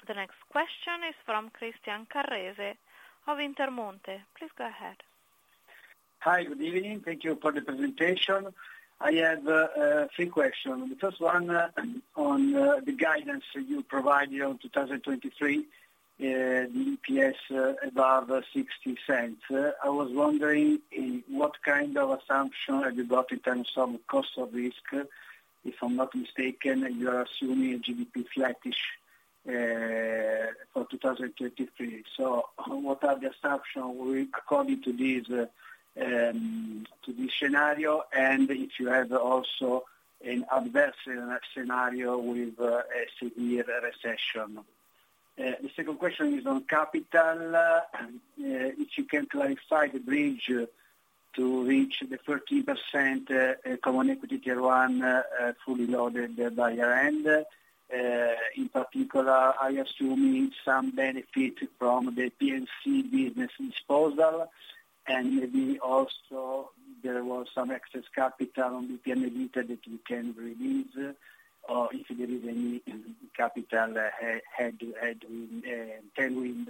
The next question is from Christian Carrese of Intermonte. Please go ahead. Hi. Good evening. Thank you for the presentation. I have three questions. The first one on the guidance you provided on 2023, the EPS above $0.60. I was wondering what kind of assumption have you got in terms of cost of risk? If I'm not mistaken, you are assuming a GDP flattish for 2023. What are the assumption according to this to this scenario, and if you have also an adverse scenario with a severe recession? The second question is on capital. If you can clarify the bridge to reach the 13% Common Equity Tier 1 fully loaded by year-end. In particular, I assume you need some benefit from the P&C business disposal, and maybe also there was some excess capital on BPM Vita that you can release, or if there is any capital headwind, tailwind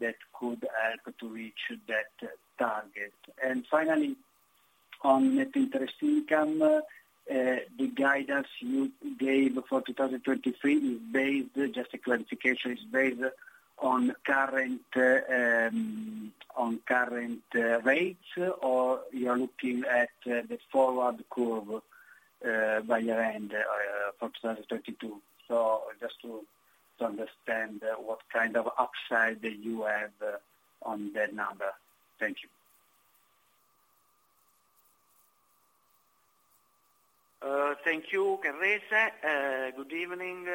that could help to reach that target. Finally on net interest income, the guidance you gave for 2023 is based, just a clarification, is based on current rates, or you are looking at the forward curve by year-end for 2022. Just to understand what kind of upside that you have on that number. Thank you. Thank you, Carrese. Good evening.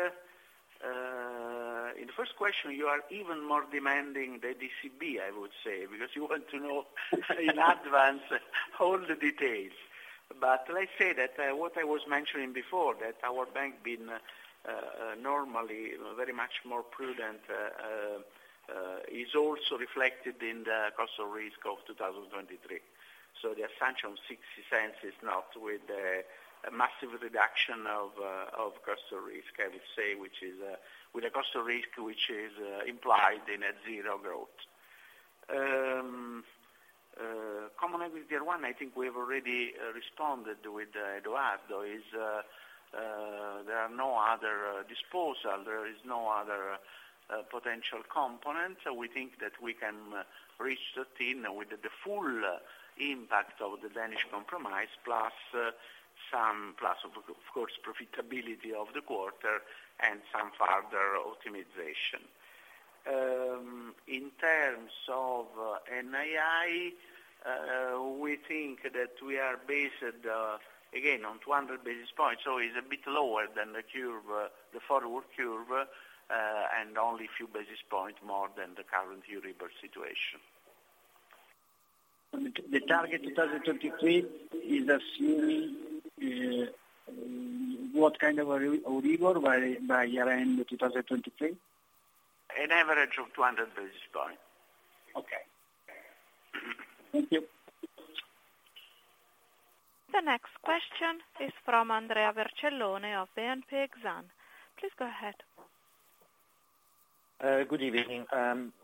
In the first question, you are even more demanding than the ECB, I would say, because you want to know in advance all the details. Let's say that what I was mentioning before, that our bank being normally very much more prudent is also reflected in the cost of risk of 2023. The assumption $0.60 is not with a massive reduction of cost of risk, I would say, which is with a cost of risk which is implied in a zero growth. Common equity one, I think we have already responded with Edoardo, is there are no other disposal. There is no other potential component. We think that we can reach 13 with the full impact of the Danish Compromise plus some, of course, profitability of the quarter and some further optimization. In terms of NII, we think that we are based, again, on 200 basis points, so it's a bit lower than the curve, the forward curve, and only a few basis points more than the current Euro rate situation. The target 2023 is assuming what kind of a Euribor by year-end 2023? An average of 200 basis points. Okay. Thank you. The next question is from Andrea Vercellone of BNP Exane. Please go ahead. Good evening.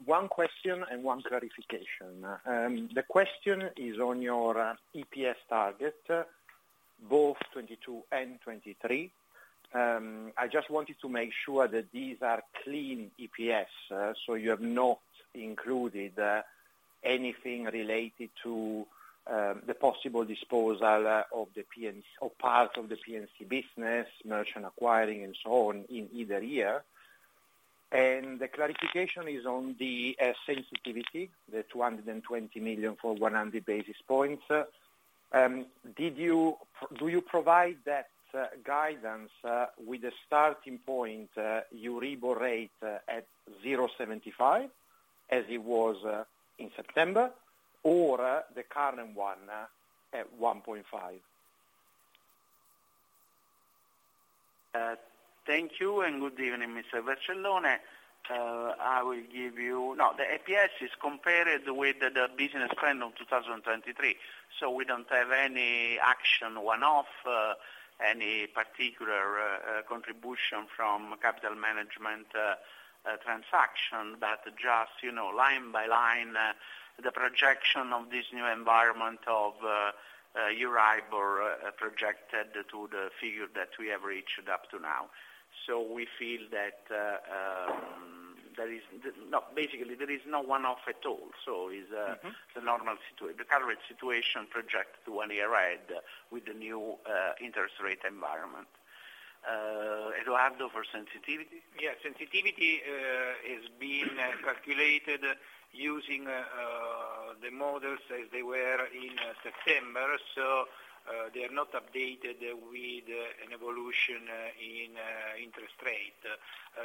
One question and one clarification. The question is on your EPS target, both 2022 and 2023. I just wanted to make sure that these are clean EPS, so you have not included anything related to the possible disposal of the P&C or part of the P&C business, merchant acquiring and so on in either year. The clarification is on the sensitivity, the 220 million for 100 basis points. Do you provide that guidance with the starting point, Euribor rate at 0.75 as it was in September or the current one at 1.5? Thank you, and good evening, Mr. Vercellone. No, the EPS is compared with the business plan of 2023. We don't have any action one-off, any particular contribution from capital management transaction, but just, you know, line by line, the projection of this new environment of Euribor projected to the figure that we have reached up to now. We feel that basically, there is no one-off at all. It's a- Mm-hmm. The current situation projected to one year ahead with the new interest rate environment. Edoardo, for sensitivity? Yeah. Sensitivity is being calculated using the models as they were in September. They are not updated with an evolution in interest rate.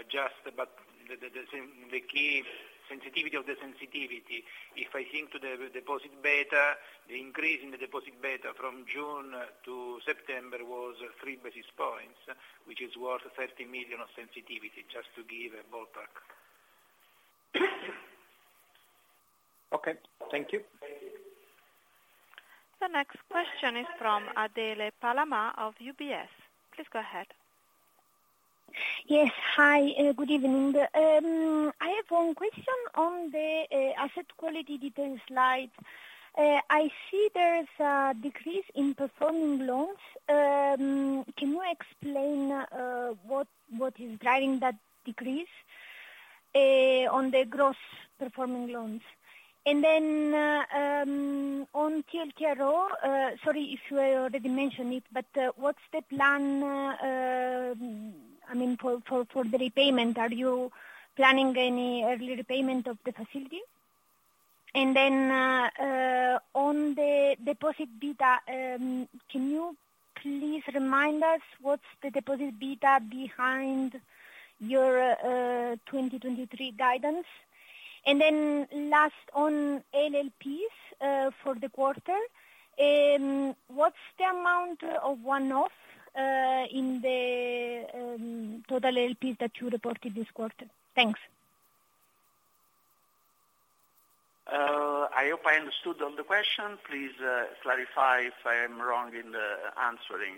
Just but the key sensitivity of the sensitivity, if I think to the deposit beta, the increase in the deposit beta from June to September was 3 basis points, which is worth 30 million of sensitivity, just to give a ballpark. Okay. Thank you. The next question is from Adele Palama of UBS. Please go ahead. Yes. Hi, good evening. I have one question on the asset quality detail slide. I see there's a decrease in performing loans. Can you explain what is driving that decrease on the gross performing loans? On TLTRO, sorry if you already mentioned it, but what's the plan, I mean, for the repayment? Are you planning any early repayment of the facility? On the deposit beta, can you please remind us what's the deposit beta behind your 2023 guidance? Last on LLPs, for the quarter, what's the amount of one-off in the total LLPs that you reported this quarter? Thanks. I hope I understood all the question. Please, clarify if I am wrong in answering.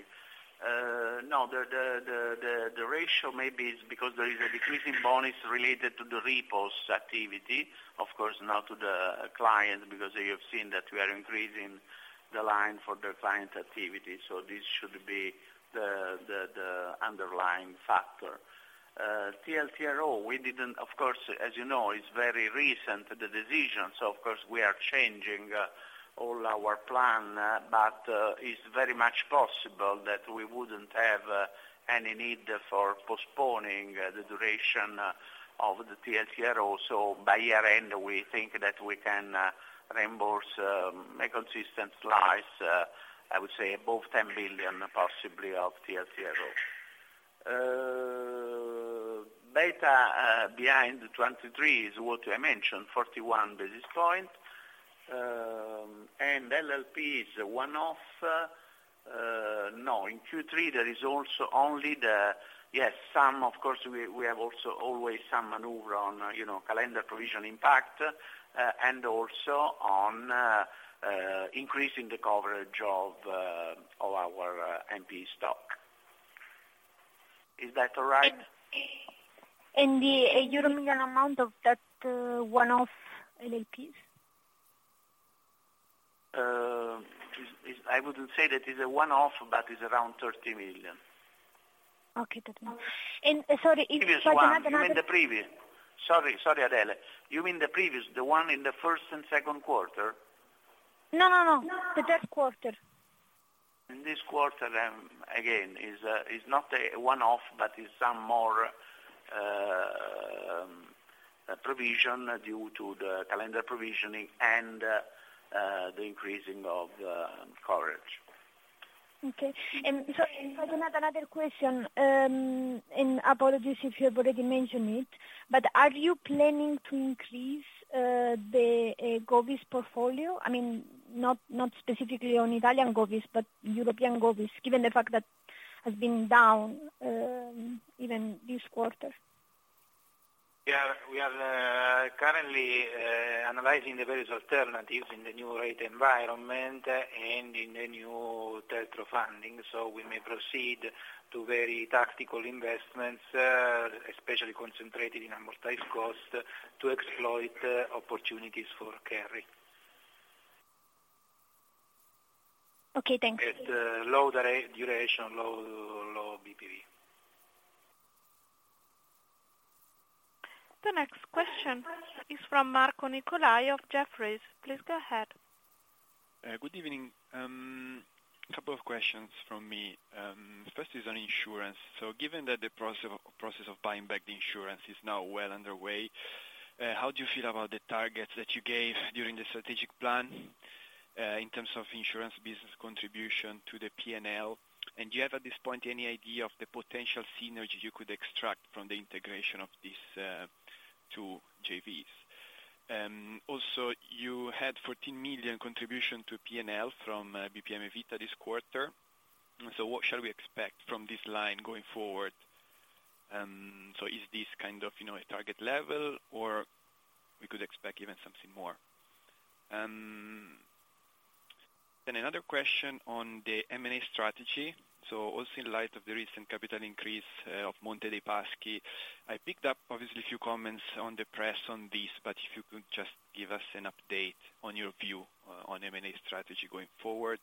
No, the ratio, maybe, is because there is a decreasing bonus related to the repos activity, of course, not to the client, because you have seen that we are increasing the line for the client activity. This should be the underlying factor. TLTRO, we didn't, of course, as you know, it's very recent, the decision, so of course, we are changing all our plan, but it's very much possible that we wouldn't have any need for postponing the duration of the TLTRO. By year-end, we think that we can reimburse a consistent slice, I would say above 10 billion, possibly, of TLTRO. Data behind 2023 is what I mentioned, 41 basis point. LLP is one-off. No, in Q3 there is also only the. Yes, some of course, we have also always some maneuver on, you know, calendar provisioning impact, and also on increasing the coverage of our NPE stock. Is that all right? The euro million amount of that, one-off LLPs? I wouldn't say that is a one-off, but it's around 30 million. Okay. That's all. Sorry, if I can add another. Previous one. You mean the previous? Sorry, Adele. You mean the previous, the one in the first and second quarter? No, no. The third quarter. In this quarter, again, is not a one-off, but is some more provision due to the calendar provisioning and the increasing of coverage. Okay. Sorry, if I can add another question, and apologies if you've already mentioned it, but are you planning to increase the govies portfolio? I mean, not specifically on Italian govies, but European govies, given the fact that has been down even this quarter. Yeah. We are currently analyzing the various alternatives in the new rate environment and in the new TLTRO funding. We may proceed to very tactical investments, especially concentrated in amortized cost to exploit opportunities for carry. Okay, thanks. At low duration, low BPV. The next question is from Marco Nicolai of Jefferies. Please go ahead. Good evening. Couple of questions from me. First is on insurance. Given that the process of buying back the insurance is now well underway, how do you feel about the targets that you gave during the strategic plan, in terms of insurance business contribution to the PNL? And do you have, at this point, any idea of the potential synergy you could extract from the integration of these, two JVs? Also, you had 14 million contribution to PNL from BPM Vita this quarter. What shall we expect from this line going forward? Is this kind of, you know, a target level, or we could expect even something more? Another question on the M&A strategy. Also in light of the recent capital increase of Monte dei Paschi, I picked up obviously a few comments in the press on this, but if you could just give us an update on your view on M&A strategy going forward.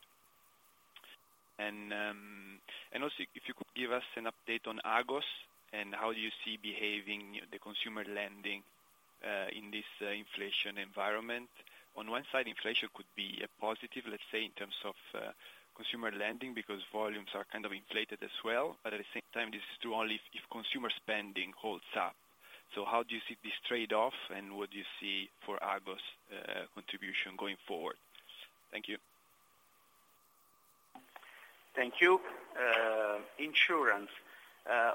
Also if you could give us an update on Agos and how you see the consumer lending behaving in this inflation environment. On one side, inflation could be a positive, let's say, in terms of consumer lending, because volumes are kind of inflated as well. But at the same time, this is true only if consumer spending holds up. How do you see this trade-off, and what do you see for Agos contribution going forward? Thank you. Thank you. Insurance.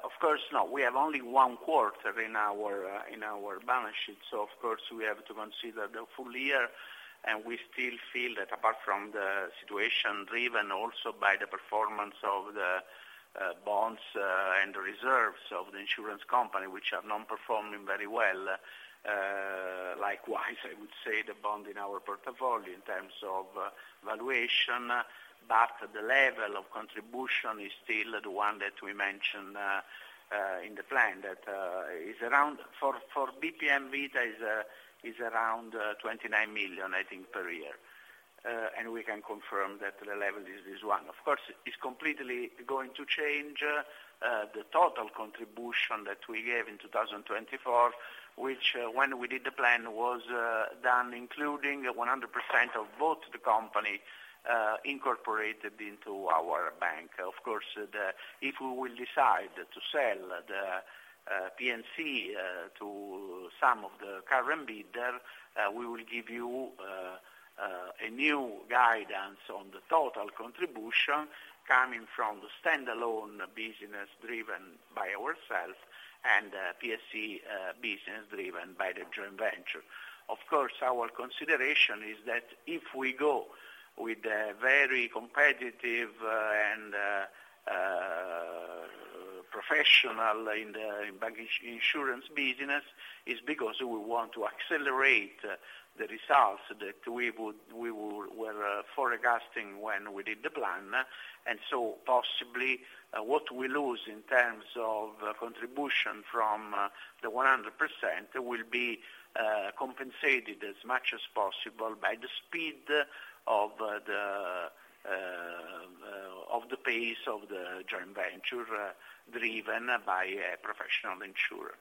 Of course, now, we have only one quarter in our balance sheet. Of course, we have to consider the full year, and we still feel that apart from the situation driven also by the performance of the bonds and the reserves of the insurance company, which are now performing very well. Likewise, I would say the bond in our portfolio in terms of valuation, but the level of contribution is still the one that we mentioned in the plan that is around 29 million for BPM Vita, I think, per year. We can confirm that the level is this one. Of course, it's completely going to change the total contribution that we gave in 2024, which when we did the plan was done including 100% of both the company incorporated into our bank. Of course, if we will decide to sell the P&C to some of the current bidders, we will give you a new guidance on the total contribution coming from the standalone business driven by ourselves and P&C business driven by the joint venture. Of course, our consideration is that if we go with a very competitive and professional in the bank insurance business is because we want to accelerate the results that we were forecasting when we did the plan. Possibly what we lose in terms of contribution from the 100% will be compensated as much as possible by the speed of the pace of the joint venture driven by a professional insurer.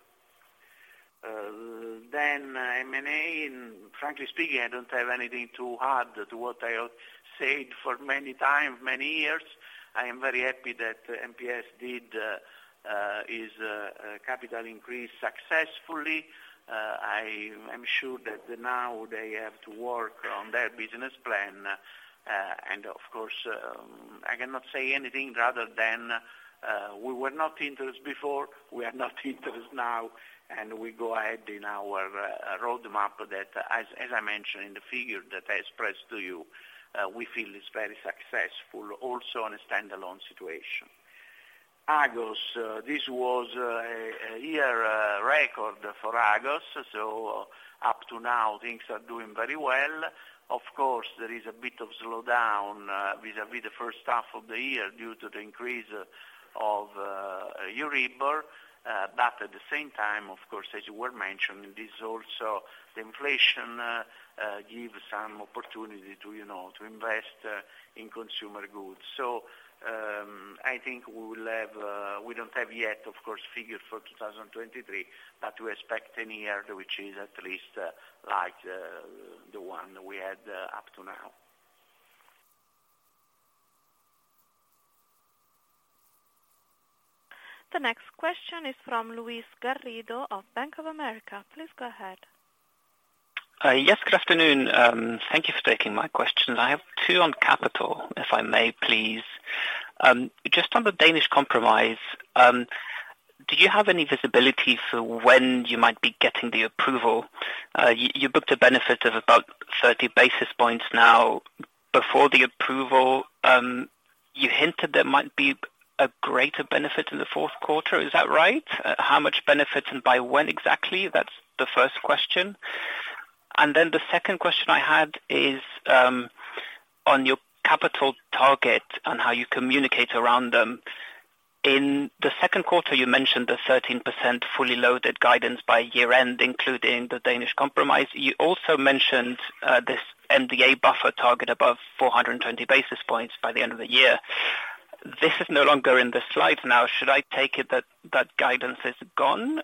Then M&A, and frankly speaking, I don't have anything to add to what I have said for many times, many years. I am very happy that MPS did its capital increase successfully. I'm sure that now they have to work on their business plan. Of course, I cannot say anything other than we were not interested before, we are not interested now, and we go ahead in our roadmap that, as I mentioned in the future that I expressed to you, we feel is very successful also on a standalone situation. Agos, this was a record year for Agos, so up to now, things are doing very well. Of course, there is a bit of slowdown vis-à-vis the first half of the year due to the increase of Euribor. But at the same time, of course, as you were mentioning, this also the inflation give some opportunity to, you know, to invest in consumer goods. I think we don't have yet, of course, figures for 2023, but we expect a year which is at least like the one we had up to now. The next question is from Luis Garrido of Bank of America. Please go ahead. Yes, good afternoon. Thank you for taking my questions. I have two on capital, if I may please. Just on the Danish Compromise, do you have any visibility for when you might be getting the approval? You booked a benefit of about 30 basis points now. Before the approval, you hinted there might be a greater benefit in the fourth quarter. Is that right? How much benefit and by when exactly? That's the first question. Then the second question I had is, on your capital target and how you communicate around them. In the second quarter, you mentioned the 13% fully loaded guidance by year-end, including the Danish Compromise. You also mentioned, this MDA buffer target above 420 basis points by the end of the year. This is no longer in the slide now. Should I take it that guidance is gone?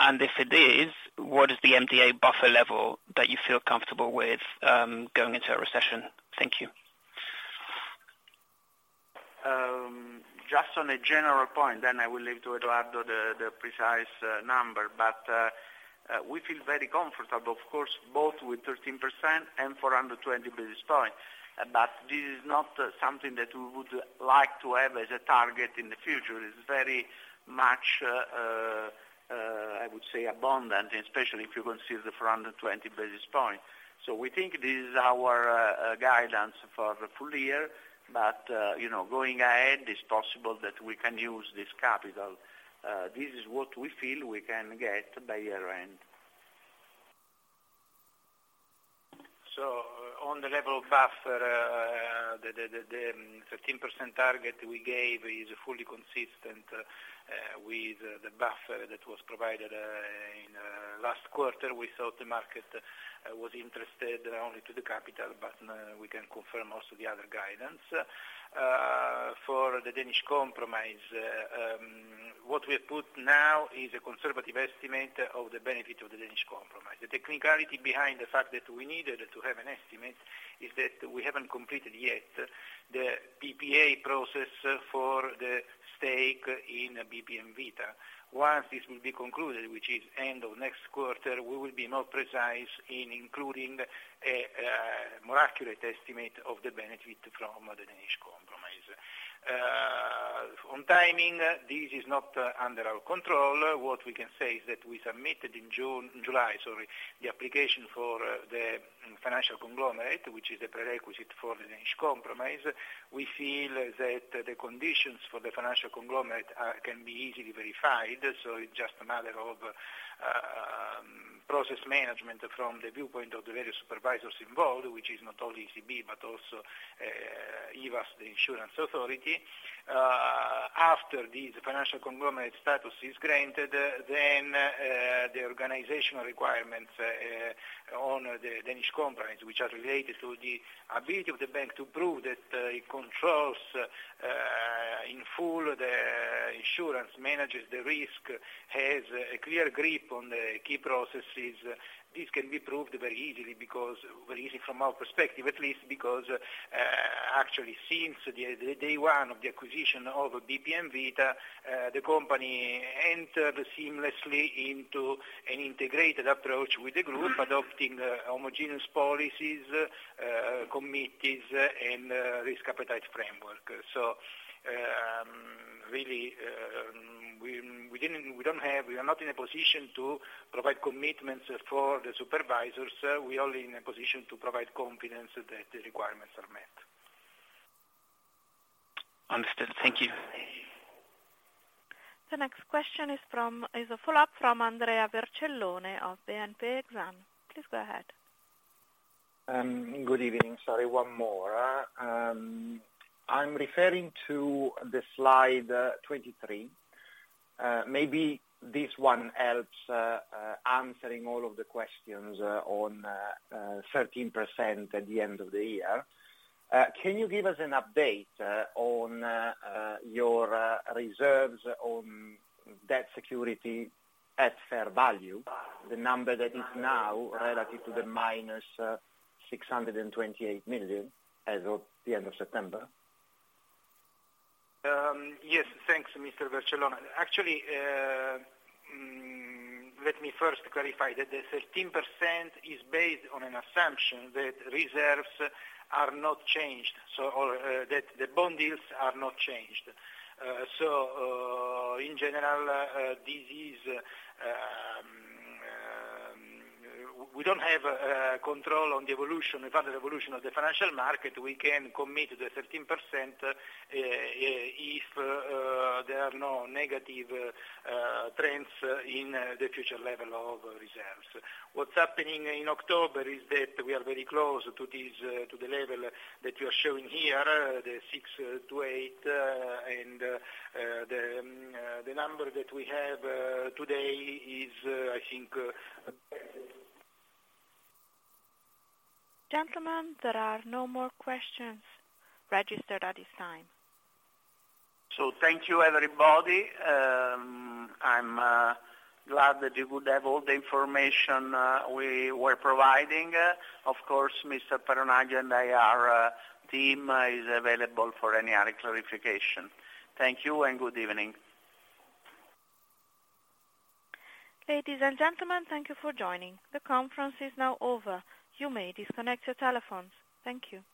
If it is, what is the MDA buffer level that you feel comfortable with, going into a recession? Thank you. Just on a general point, I will leave to Edoardo the precise number. We feel very comfortable, of course, both with 13% and 420 basis points. This is not something that we would like to have as a target in the future. It's very much, I would say abundant, especially if you consider the 420 basis points. We think this is our guidance for the full year, you know, going ahead, it's possible that we can use this capital. This is what we feel we can get by year-end. On the level of buffer, the 15% target we gave is fully consistent with the buffer that was provided in last quarter. We thought the market was interested only to the capital, but we can confirm also the other guidance. For the Danish Compromise, what we have put now is a conservative estimate of the benefit of the Danish Compromise. The technicality behind the fact that we needed to have an estimate is that we haven't completed yet the PPA process for the stake in BPM Vita. Once this will be concluded, which is end of next quarter, we will be more precise in including a more accurate estimate of the benefit from the Danish Compromise. On timing, this is not under our control. What we can say is that we submitted in June, July, sorry, the application for the financial conglomerate, which is a prerequisite for the Danish Compromise. We feel that the conditions for the financial conglomerate are, can be easily verified, so it's just a matter of, process management from the viewpoint of the various supervisors involved, which is not only ECB, but also, IVASS, the insurance authority. After the financial conglomerate status is granted, then, the organizational requirements, on the Danish Compromise, which are related to the ability of the bank to prove that it controls, in full the insurance, manages the risk, has a clear grip on the key processes. This can be proved very easily from our perspective, at least because actually since the day one of the acquisition of BPM Vita, the company entered seamlessly into an integrated approach with the group adopting homogeneous policies, committees and risk appetite framework. We are not in a position to provide commitments for the supervisors. We are only in a position to provide confidence that the requirements are met. Understood. Thank you. The next question is a follow-up from Andrea Vercellone of BNP Exane. Please go ahead. Good evening. Sorry, one more. I'm referring to the slide 23. Maybe this one helps answering all of the questions on 13% at the end of the year. Can you give us an update on your reserves on debt security at fair value, the number that is now relative to the -628 million as of the end of September? Yes, thanks, Mr. Vercellone. Actually, let me first clarify that the 13% is based on an assumption that reserves are not changed, that the bond deals are not changed. In general, we don't have control on the further evolution of the financial market. We can commit the 13%, if there are no negative trends in the future level of reserves. What's happening in October is that we are very close to this, to the level that we are showing here, the 6%-8%, and the number that we have today is, I think. Gentlemen, there are no more questions registered at this time. Thank you, everybody. I'm glad that you would have all the information we were providing. Of course, Mr. Peronaglio and IR team is available for any other clarification. Thank you and good evening. Ladies and gentlemen, thank you for joining. The conference is now over. You may disconnect your telephones. Thank you.